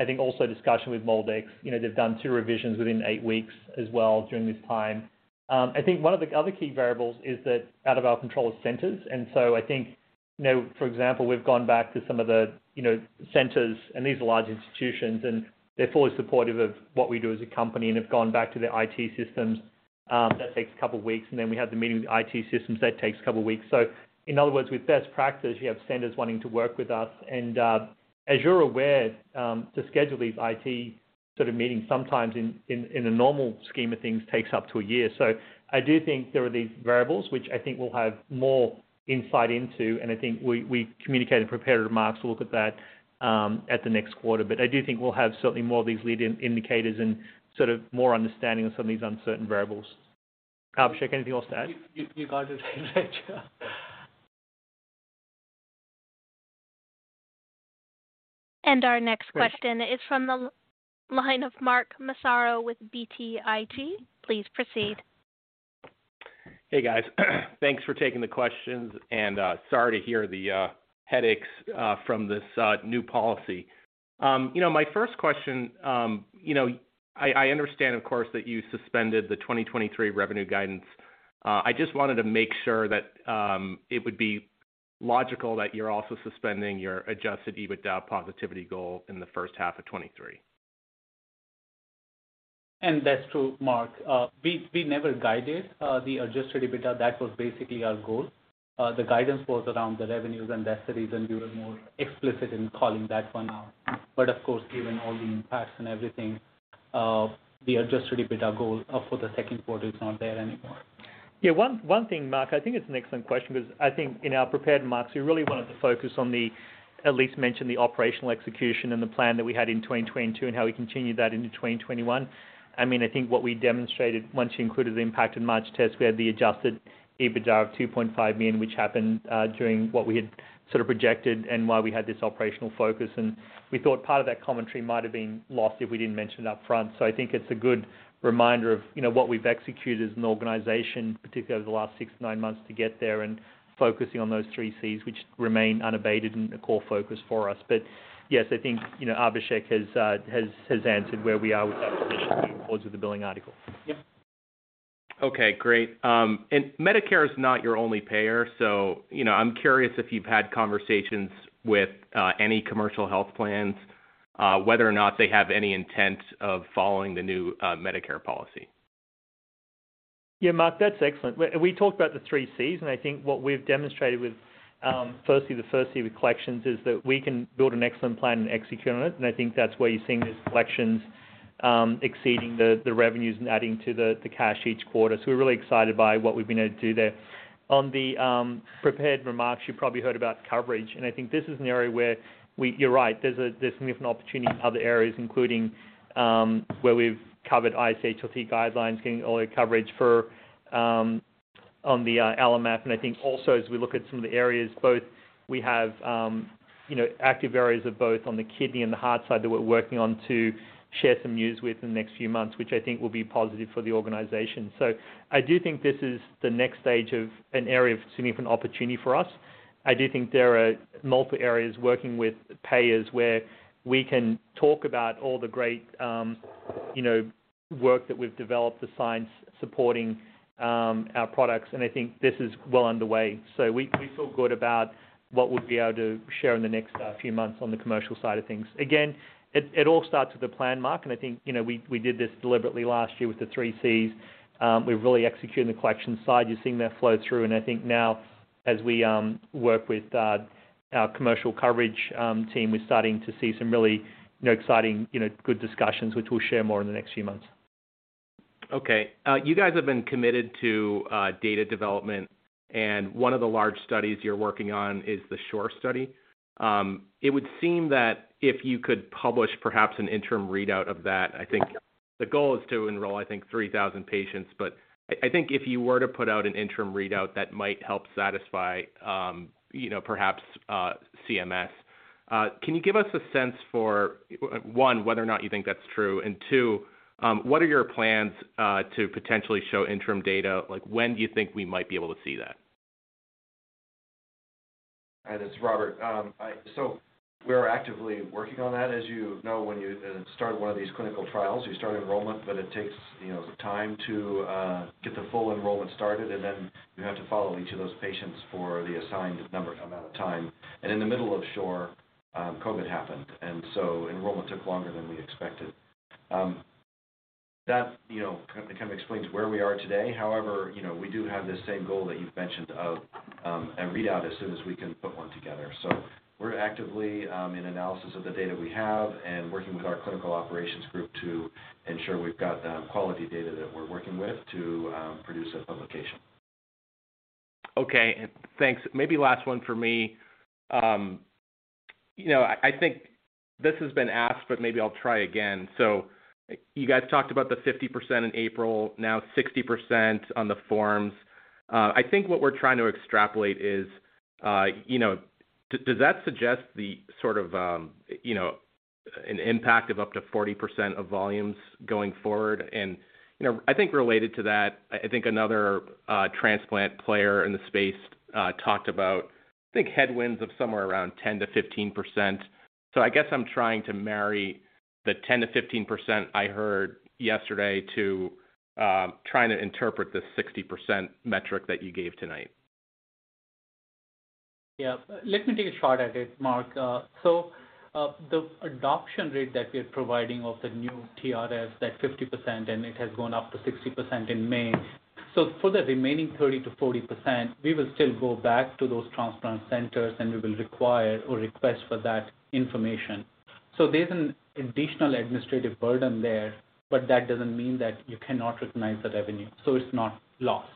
I think also discussion with MolDx. You know, they've done two revisions within eight weeks as well during this time. I think one of the other key variables is that out of our control is centers. I think, you know, for example, we've gone back to some of the, you know, centers, and these are large institutions, and they're fully supportive of what we do as a company and have gone back to their IT systems. That takes a couple weeks, and then we have the meeting with the IT systems. That takes a couple weeks. In other words, with best practice, you have centers wanting to work with us. As you're aware, to schedule these IT sort of meetings sometimes in the normal scheme of things takes up to one year. I do think there are these variables which I think we'll have more insight into, and I think we communicate in prepared remarks. We'll look at that, at the next quarter. I do think we'll have certainly more of these lead in-indicators and sort of more understanding of some of these uncertain variables. Abhishek, anything else to add? You got it. Our next question is from the line of Mark Massaro with BTIG. Please proceed. Hey, guys. Thanks for taking the questions. Sorry to hear the headaches from this new policy. You know, my first question, you know, I understand, of course, that you suspended the 2023 revenue guidance. I just wanted to make sure that it would be logical that you're also suspending your adjusted EBITDA positivity goal in the first half of 2023? That's true, Mark. We never guided the adjusted EBITDA. That was basically our goal. The guidance was around the revenues, and that's the reason we were more explicit in calling that one out. Of course, given all the impacts and everything, the adjusted EBITDA goal for the second quarter is not there anymore. One thing, Mark, I think it's an excellent question because I think in our prepared marks, we really wanted to focus on the, at least mention the operational execution and the plan that we had in 2022 and how we continued that into 2021. I mean, I think what we demonstrated once you included the impact in March test, we had the adjusted EBITDA of $2.5 million, which happened during what we had sort of projected and why we had this operational focus. We thought part of that commentary might have been lost if we didn't mention it up front. I think it's a good reminder of, you know, what we've executed as an organization, particularly over the last six, nine months to get there and focusing on those three Cs, which remain unabated and a core focus for us. yes, I think, you know, Abhishek has answered where we are with that position towards the billing article. Yeah. Okay, great. Medicare is not your only payer, so, you know, I'm curious if you've had conversations with any commercial health plans, whether or not they have any intent of following the new Medicare policy. Yeah, Mark, that's excellent. We talked about the 3Cs, and I think what we've demonstrated with firstly, the 1C with collections is that we can build an excellent plan and execute on it. I think that's where you're seeing these collections exceeding the revenues and adding to the cash each quarter. We're really excited by what we've been able to do there. On the prepared remarks, you probably heard about coverage, and I think this is an area where we. You're right. There's significant opportunity in other areas, including where we've covered ISHLT guidelines, getting all the coverage for on the allogeneic. I think also as we look at some of the areas both, we have, you know, active areas of both on the kidney and the heart side that we're working on to share some news with in the next few months, which I think will be positive for the organization. I do think this is the next stage of an area of significant opportunity for us. I do think there are multiple areas working with payers where we can talk about all the great, you know, work that we've developed, the science supporting, our products, and I think this is well underway. We, we feel good about what we'll be able to share in the next few months on the commercial side of things. It all starts with a plan, Mark, and I think, you know, we did this deliberately last year with the 3Cs. We're really executing the collection side. You're seeing that flow through. I think now as we work with our commercial coverage team, we're starting to see some really, you know, exciting, you know, good discussions, which we'll share more in the next few months. Okay. You guys have been committed to data development, and one of the large studies you're working on is the SHORE study. It would seem that if you could publish perhaps an interim readout of that, I think the goal is to enroll, I think, 3,000 patients. I think if you were to put out an interim readout that might help satisfy, you know, perhaps CMS. Can you give us a sense for, one, whether or not you think that's true? Two, what are your plans to potentially show interim data? Like, when do you think we might be able to see that? Hi, this is Robert. So we're actively working on that. As you know, when you start one of these clinical trials, you start enrollment, but it takes, you know, time to get the full enrollment started, and then you have to follow each of those patients for the assigned amount of time. In the middle of SHORE, COVID happened, enrollment took longer than we expected. That, you know, kind of explains where we are today. However, you know, we do have the same goal that you've mentioned of a readout as soon as we can put one together. We're actively in analysis of the data we have and working with our clinical operations group to ensure we've got the quality data that we're working with to produce a publication. Okay. Thanks. Maybe last one for me. You know, I think this has been asked, but maybe I'll try again. You guys talked about the 50% in April, now 60% on the forms. I think what we're trying to extrapolate is, you know, does that suggest the sort of, you know, an impact of up to 40% of volumes going forward? You know, I think related to that, I think another transplant player in the space talked about, I think, headwinds of somewhere around 10%-15%. I guess I'm trying to marry the 10%-15% I heard yesterday to trying to interpret the 60% metric that you gave tonight. Let me take a shot at it, Mark. The adoption rate that we're providing of the new TRS, that 50%, and it has gone up to 60% in May. For the remaining 30%-40%, we will still go back to those transplant centers, and we will require or request for that information. There's an additional administrative burden there, but that doesn't mean that you cannot recognize the revenue, so it's not lost.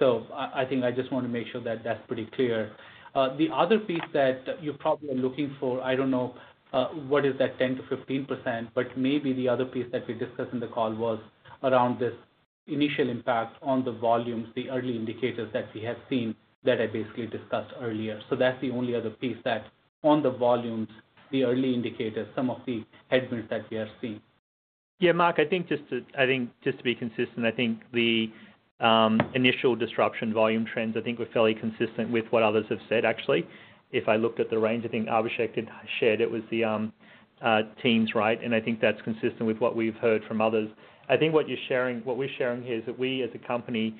I think I just want to make sure that that's pretty clear. The other piece that you probably are looking for, I don't know, what is that 10%-15%, but maybe the other piece that we discussed in the call was around this initial impact on the volumes, the early indicators that we have seen that I basically discussed earlier. That's the only other piece that on the volumes, the early indicators, some of the headwinds that we are seeing. Yeah, Mark, I think just to be consistent, I think the initial disruption volume trends, I think, were fairly consistent with what others have said actually. If I looked at the range, I think Abhishek had shared, it was the teams, right? I think that's consistent with what we've heard from others. I think what we're sharing here is that we, as a company,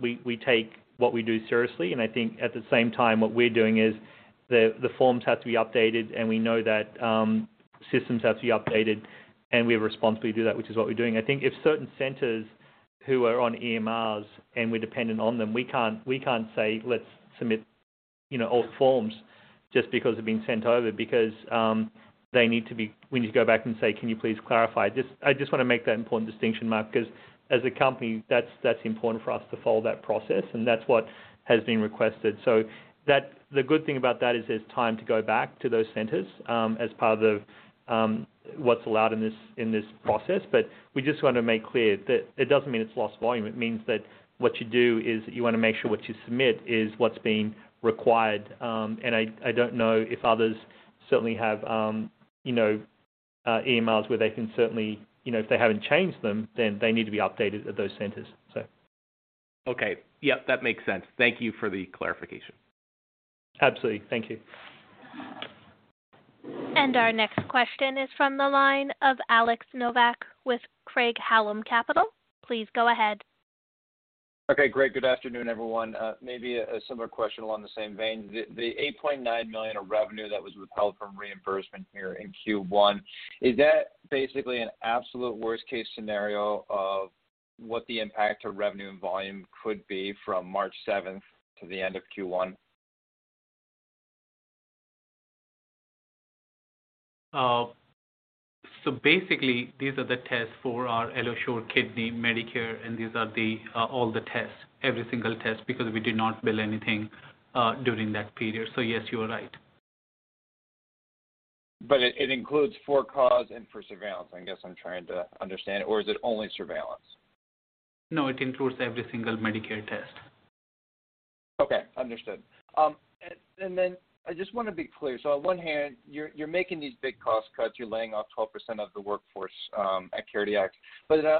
we take what we do seriously. I think at the same time what we're doing is the forms have to be updated. We know that systems have to be updated, and we have a responsibility to do that, which is what we're doing. I think if certain centers who are on EMRs and we're dependent on them, we can't say, "Let's submit, you know, old forms just because they've been sent over," because, we need to go back and say, "Can you please clarify?" I just wanna make that important distinction, Mark, because as a company, that's important for us to follow that process, and that's what has been requested. The good thing about that is there's time to go back to those centers, as part of what's allowed in this process. We just want to make clear that it doesn't mean it's lost volume. It means that what you do is you wanna make sure what you submit is what's being required. I don't know if others certainly have, you know, EMRs where they can certainly. You know, if they haven't changed them, then they need to be updated at those centers. Okay. Yeah, that makes sense. Thank you for the clarification. Absolutely. Thank you. Our next question is from the line of Alex Nowak with Craig-Hallum Capital. Please go ahead. Okay, great. Good afternoon, everyone. Maybe a similar question along the same vein. The, the $8.9 million of revenue that was withheld from reimbursement here in Q1, is that basically an absolute worst-case scenario of what the impact to revenue and volume could be from March seventh to the end of Q1? Basically, these are the tests for our AlloSure Kidney Medicare, and these are the all the tests, every single test, because we did not bill anything during that period. Yes, you are right. It includes for cause and for surveillance, I guess I'm trying to understand. Is it only surveillance? No, it includes every single Medicare test. Okay. Understood. And then I just wanna be clear. On one hand, you're making these big cost cuts. You're laying off 12% of the workforce at CareDx.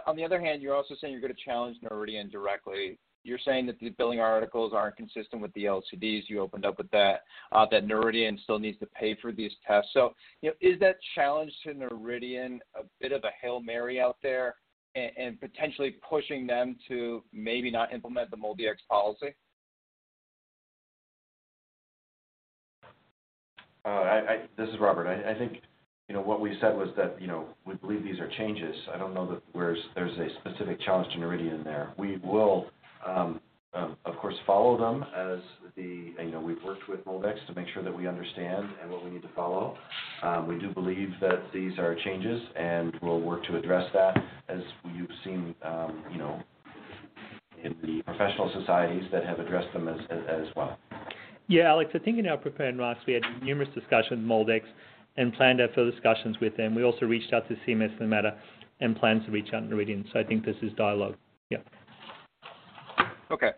On the other hand, you're also saying you're gonna challenge Noridian directly. You're saying that the billing articles aren't consistent with the LCDs. You opened up with that Noridian still needs to pay for these tests. You know, is that challenge to Noridian a bit of a Hail Mary out there and potentially pushing them to maybe not implement the MolDX policy? This is Robert. I think, you know, what we said was that, you know, we believe these are changes. I don't know that where there's a specific challenge to Noridian there. We will, of course, follow them as the... You know, we've worked with MolDx to make sure that we understand and what we need to follow. We do believe that these are changes, and we'll work to address that as you've seen, you know, in the professional societies that have addressed them as well. Yeah, Alex. I think in our preparing remarks, we had numerous discussions with MolDx and planned out further discussions with them. We also reached out to CMS for the matter and plan to reach out to Noridian. I think this is dialogue. Yeah. Okay.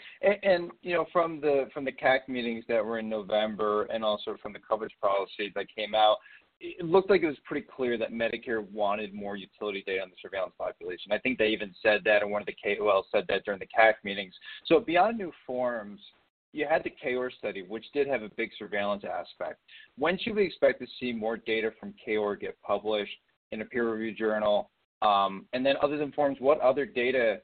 And, you know, from the CAC meetings that were in November and also from the coverage policy that came out, it looked like it was pretty clear that Medicare wanted more utility data on the surveillance population. I think they even said that, and one of the KOLs said that during the CAC meetings. So beyond new forms You had the KOAR study, which did have a big surveillance aspect. When should we expect to see more data from KOAR get published in a peer-review journal? Other than forms, what other data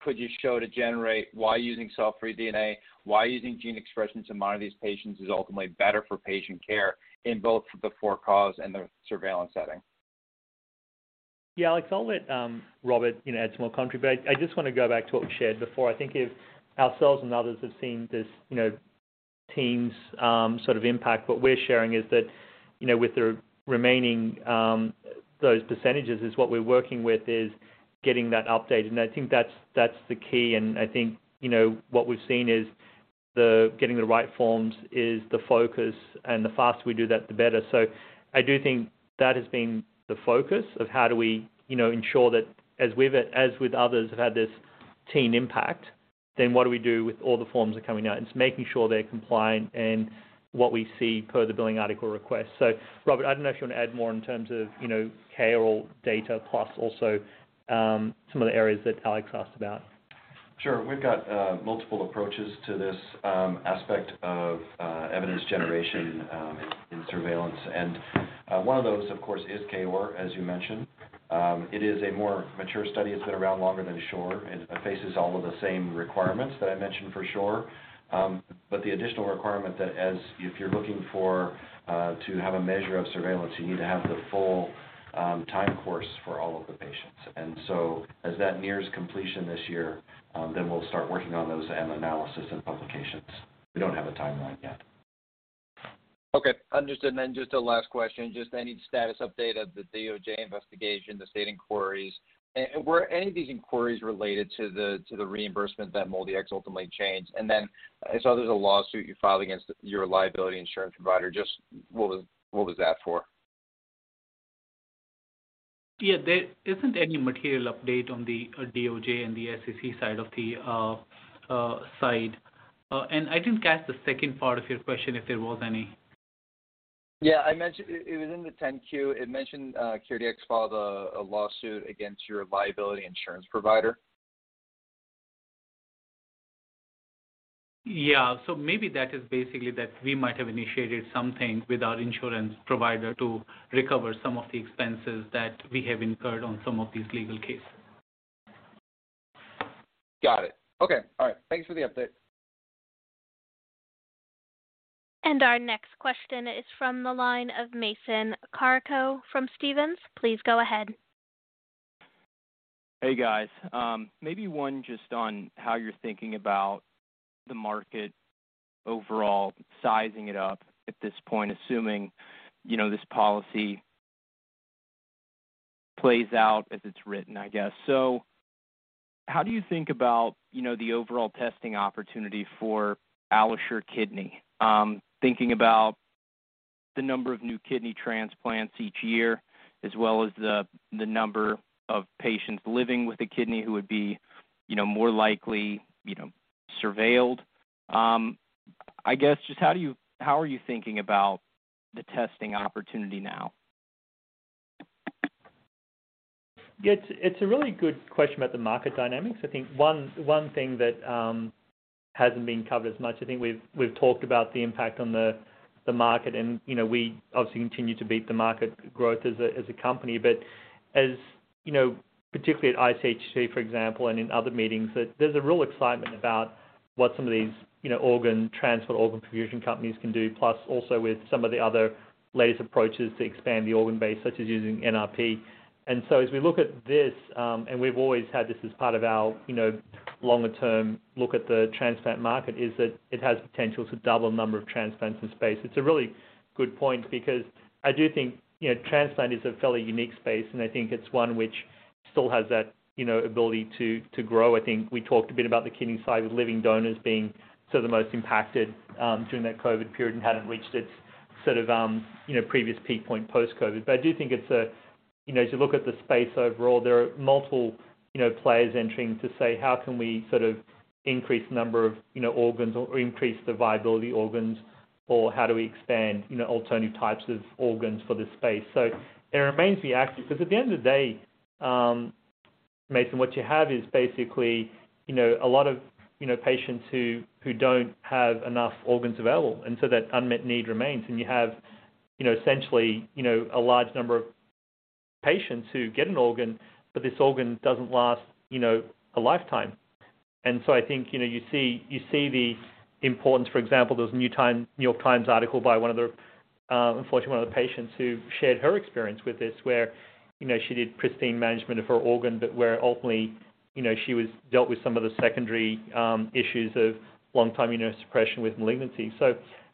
could you show to generate why using cell-free DNA, why using gene expression to monitor these patients is ultimately better for patient care in both the for-cause and the surveillance setting? Yeah, Alex, I'll let Robert, you know, add some more contribute. I just want to go back to what we shared before. I think if ourselves and others have seen this, you know, teams, sort of impact, what we're sharing is that, you know, with the remaining, those percentages is what we're working with is getting that update. I think that's the key. I think, you know, what we've seen is the getting the right forms is the focus, and the faster we do that, the better. I do think that has been the focus of how do we, you know, ensure that as we've, as with others, have had this team impact, then what do we do with all the forms that are coming out? It's making sure they're compliant and what we see per the billing article request. Robert, I don't know if you want to add more in terms of, you know, KOAR data, plus also, some of the areas that Alex asked about. Sure. We've got multiple approaches to this aspect of evidence generation in surveillance. One of those, of course, is KOAR, as you mentioned. It is a more mature study. It's been around longer than SHORE and faces all of the same requirements that I mentioned for SHORE. But the additional requirement that as if you're looking for to have a measure of surveillance, you need to have the full time course for all of the patients. As that nears completion this year, then we'll start working on those and analysis and publications. We don't have a timeline yet. Okay, understood. Just a last question, just any status update of the DOJ investigation, the state inquiries, and were any of these inquiries related to the reimbursement that MolDX ultimately changed? I saw there's a lawsuit you filed against your liability insurance provider. Just what was that for? Yeah, there isn't any material update on the DOJ and the SEC side. I didn't catch the second part of your question, if there was any. Yeah, I mentioned it was in the 10-Q. It mentioned, CareDx filed a lawsuit against your liability insurance provider. Yeah. Maybe that is basically that we might have initiated something with our insurance provider to recover some of the expenses that we have incurred on some of these legal cases. Got it. Okay. All right. Thanks for the update. Our next question is from the line of Mason Carrico from Stephens. Please go ahead. Hey, guys. Maybe one just on how you're thinking about the market overall, sizing it up at this point, assuming, you know, this policy plays out as it's written, I guess. How do you think about, you know, the overall testing opportunity for AlloSure Kidney? Thinking about the number of new kidney transplants each year, as well as the number of patients living with a kidney who would be, you know, more likely, you know, surveilled. I guess just how are you thinking about the testing opportunity now? It's a really good question about the market dynamics. I think one thing that hasn't been covered as much, I think we've talked about the impact on the market and, you know, we obviously continue to beat the market growth as a company. As you know, particularly at ISHLT, for example, and in other meetings, that there's a real excitement about what some of these, you know, organ transport, organ perfusion companies can do, plus also with some of the other latest approaches to expand the organ base, such as using NRP. As we look at this, and we've always had this as part of our, you know, longer term look at the transplant market, is that it has potential to double the number of transplants in space. It's a really good point because I do think, you know, transplant is a fairly unique space, and I think it's one which still has that, you know, ability to grow. I think we talked a bit about the kidney side with living donors being sort of the most impacted during that COVID period and hadn't reached its sort of, you know, previous peak point post-COVID. I do think it's a, you know, as you look at the space overall, there are multiple, you know, players entering to say, how can we sort of increase the number of, you know, organs or increase the viability organs, or how do we expand, you know, alternative types of organs for this space. It remains to be active because at the end of the day, Mason, what you have is basically, you know, a lot of, you know, patients who don't have enough organs available, and so that unmet need remains. You have, you know, essentially, you know, a large number of patients who get an organ, but this organ doesn't last, you know, a lifetime. I think, you know, you see, you see the importance, for example, those New York Times article by one of the, unfortunately, one of the patients who shared her experience with this, where, you know, she did pristine management of her organ, but where ultimately, you know, she was dealt with some of the secondary issues of long-term immunosuppression with malignancy.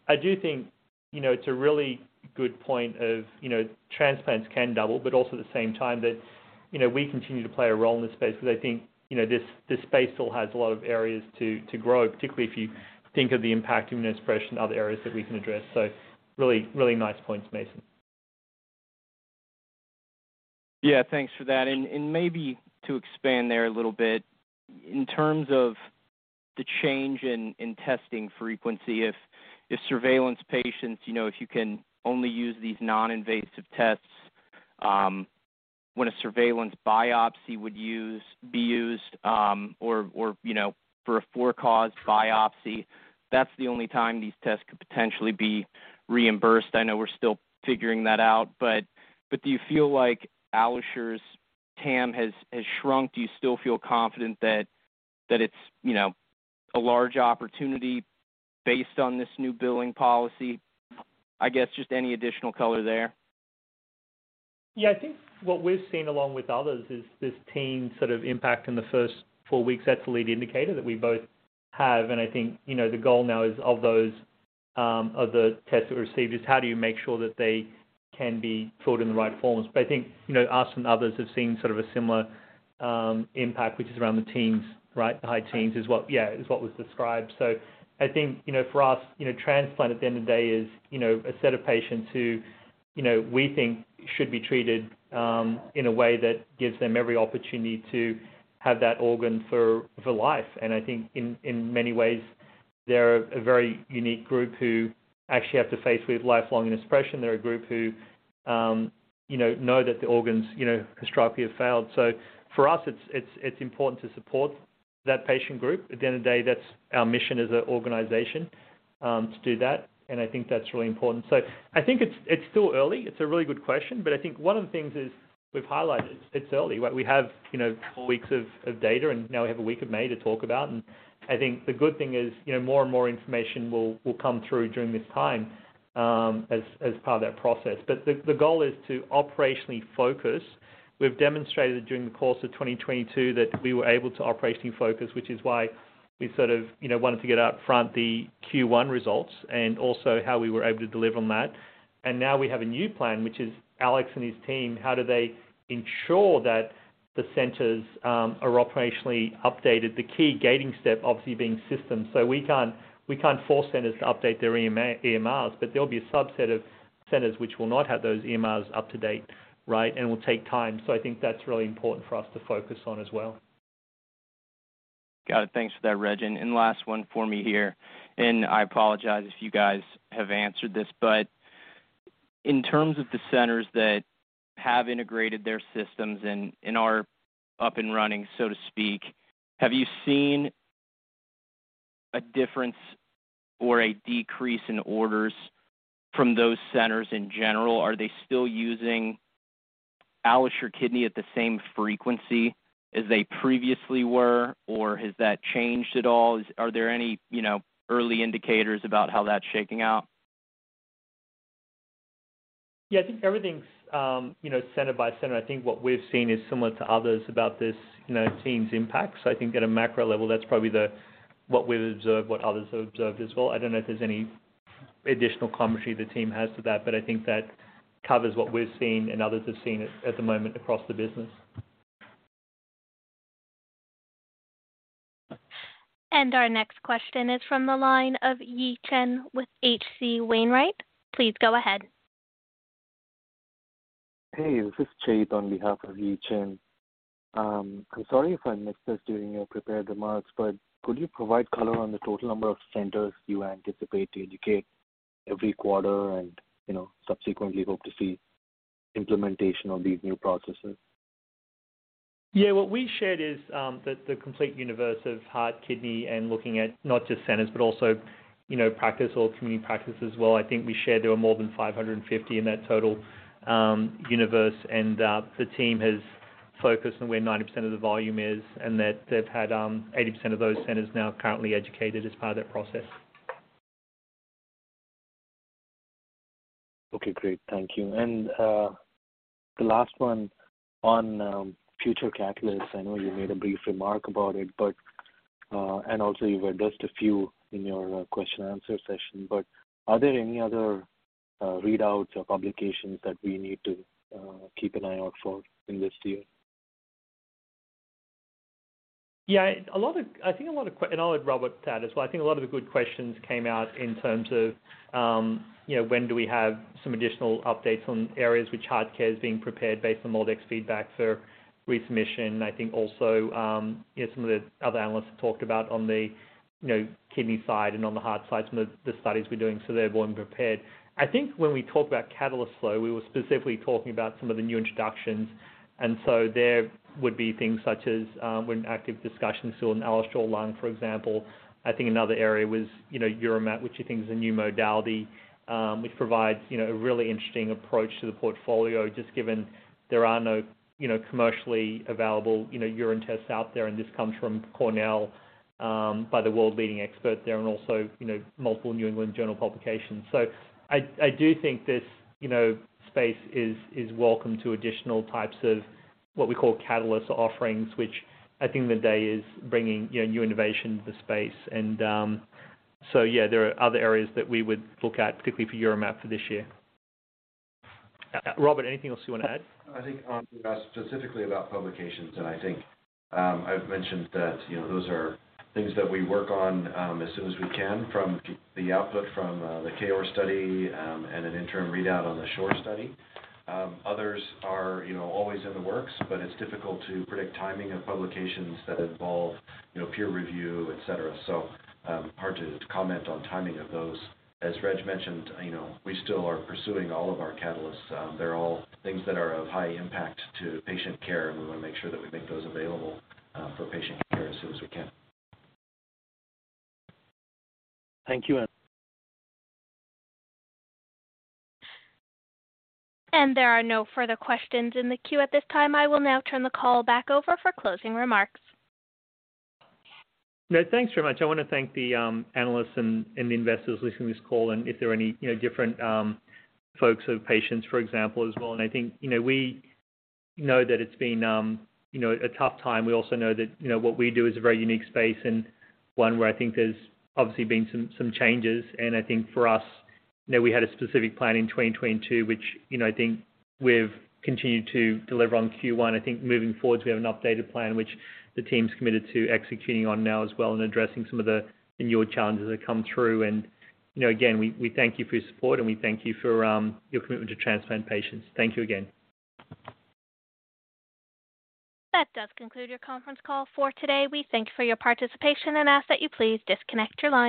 I do think, you know, it's a really good point of, you know, transplants can double, but also at the same time that, you know, we continue to play a role in this space because I think, you know, this space still has a lot of areas to grow, particularly if you think of the impact of immunosuppression and other areas that we can address. Really, really nice points, Mason Carrico. Yeah, thanks for that. Maybe to expand there a little bit, in terms of the change in testing frequency, if surveillance patients, you know, if you can only use these non-invasive tests when a surveillance biopsy be used, or, you know, for a for-cause biopsy, that's the only time these tests could potentially be reimbursed. I know we're still figuring that out. Do you feel like AlloSure's TAM has shrunk? Do you still feel confident that it's, you know, a large opportunity based on this new billing policy? I guess just any additional color there. Yeah. I think what we've seen along with others is this team sort of impact in the first four weeks, that's a lead indicator that we both have. I think, you know, the goal now is of those, of the tests that we receive, is how do you make sure that they can be filled in the right forms? I think, you know, us and others have seen sort of a similar, impact, which is around the teens, right? The high teens is what was described. I think, you know, for us, you know, transplant at the end of the day is, you know, a set of patients who, you know, we think should be treated, in a way that gives them every opportunity to have that organ for life. I think in many ways, they're a very unique group who actually have to face with lifelong expression. They're a group who, you know that the organs, you know, historically have failed. For us, it's important to support that patient group. At the end of the day, that's our mission as an organization to do that, and I think that's really important. I think it's still early. It's a really good question. I think one of the things is we've highlighted, it's early. We have, you know, 4 weeks of data, and now we have 1 week of May to talk about. I think the good thing is, you know, more and more information will come through during this time as part of that process. The goal is to operationally focus. We've demonstrated during the course of 2022 that we were able to operationally focus, which is why we sort of, you know, wanted to get out front the Q1 results and also how we were able to deliver on that. Now we have a new plan, which is Alex and his team, how do they ensure that the centers are operationally updated, the key gating step obviously being systems. We can't force centers to update their EMRs, but there'll be a subset of centers which will not have those EMRs up to date, right, and will take time. I think that's really important for us to focus on as well. Got it. Thanks for that, Reg. Last one for me here, and I apologize if you guys have answered this, but in terms of the centers that have integrated their systems and are up and running, so to speak, have you seen a difference or a decrease in orders from those centers in general? Are they still using AlloSure Kidney at the same frequency as they previously were, or has that changed at all? Are there any, you know, early indicators about how that's shaking out? I think everything's, you know, center by center. I think what we've seen is similar to others about this, you know, team's impact. I think at a macro level, that's probably what we've observed, what others have observed as well. I don't know if there's any additional commentary the team has to that, but I think that covers what we've seen and others have seen at the moment across the business. Our next question is from the line of Yi Chen with H.C. Wainwright. Please go ahead. This is Chase on behalf of Yi Chen. I'm sorry if I missed this during your prepared remarks, but could you provide color on the total number of centers you anticipate to educate every quarter and, you know, subsequently hope to see implementation of these new processes? Yeah. What we shared is that the complete universe of heart, kidney, and looking at not just centers, but also, you know, practice or community practice as well. I think we shared there were more than 550 in that total universe. The team has focused on where 90% of the volume is and that they've had 80% of those centers now currently educated as part of that process. Okay, great. Thank you. The last one on future catalysts. I know you made a brief remark about it, but and also you've addressed a few in your question and answer session, but are there any other readouts or publications that we need to keep an eye out for in this year? Yeah. I think a lot of questions and I'll let Robert add as well. I think a lot of the good questions came out in terms of, you know, when do we have some additional updates on areas which HeartCare is being prepared based on MolDx feedback for resubmission. I think also, you know, some of the other analysts have talked about on the, you know, kidney side and on the heart side, some of the studies we're doing, so they're born prepared. I think when we talk about catalyst flow, we were specifically talking about some of the new introductions. There would be things such as, we're in active discussions on AlloSure Lung, for example. I think another area was, you know, UroMap, which I think is a new modality, which provides, you know, a really interesting approach to the portfolio, just given there are no, you know, commercially available, you know, urine tests out there, and this comes from Cornell, by the world-leading expert there and also, you know, multiple New England Journal of Medicine publications. I do think this, you know, space is welcome to additional types of what we call catalyst offerings, which I think the idea is bringing, you know, new innovation to the space. Yeah, there are other areas that we would look at, particularly for UroMap for this year. Robert, anything else you want to add? I think, specifically about publications, and I think, I've mentioned that, you know, those are things that we work on, as soon as we can from the output from the KOAR study, and an interim readout on the SHORE study. Others are, you know, always in the works, but it's difficult to predict timing of publications that involve, you know, peer review, etc. Hard to comment on timing of those. As Reg mentioned, you know, we still are pursuing all of our catalysts. They're all things that are of high impact to patient care, and we want to make sure that we make those available for patient care as soon as we can. Thank you. There are no further questions in the queue at this time. I will now turn the call back over for closing remarks. No, thanks very much. I wanna thank the analysts and the investors listening to this call, and if there are any, you know, different folks who have patients, for example, as well. I think, you know, we know that it's been, you know, a tough time. We also know that, you know, what we do is a very unique space and one where I think there's obviously been some changes. I think for us, you know, we had a specific plan in 2022, which, you know, I think we've continued to deliver on Q1. I think moving forward, we have an updated plan which the team's committed to executing on now as well and addressing some of the newer challenges that come through. you know, again, we thank you for your support, and we thank you for your commitment to transplant patients. Thank you again. That does conclude your conference call for today. We thank you for your participation and ask that you please disconnect your line.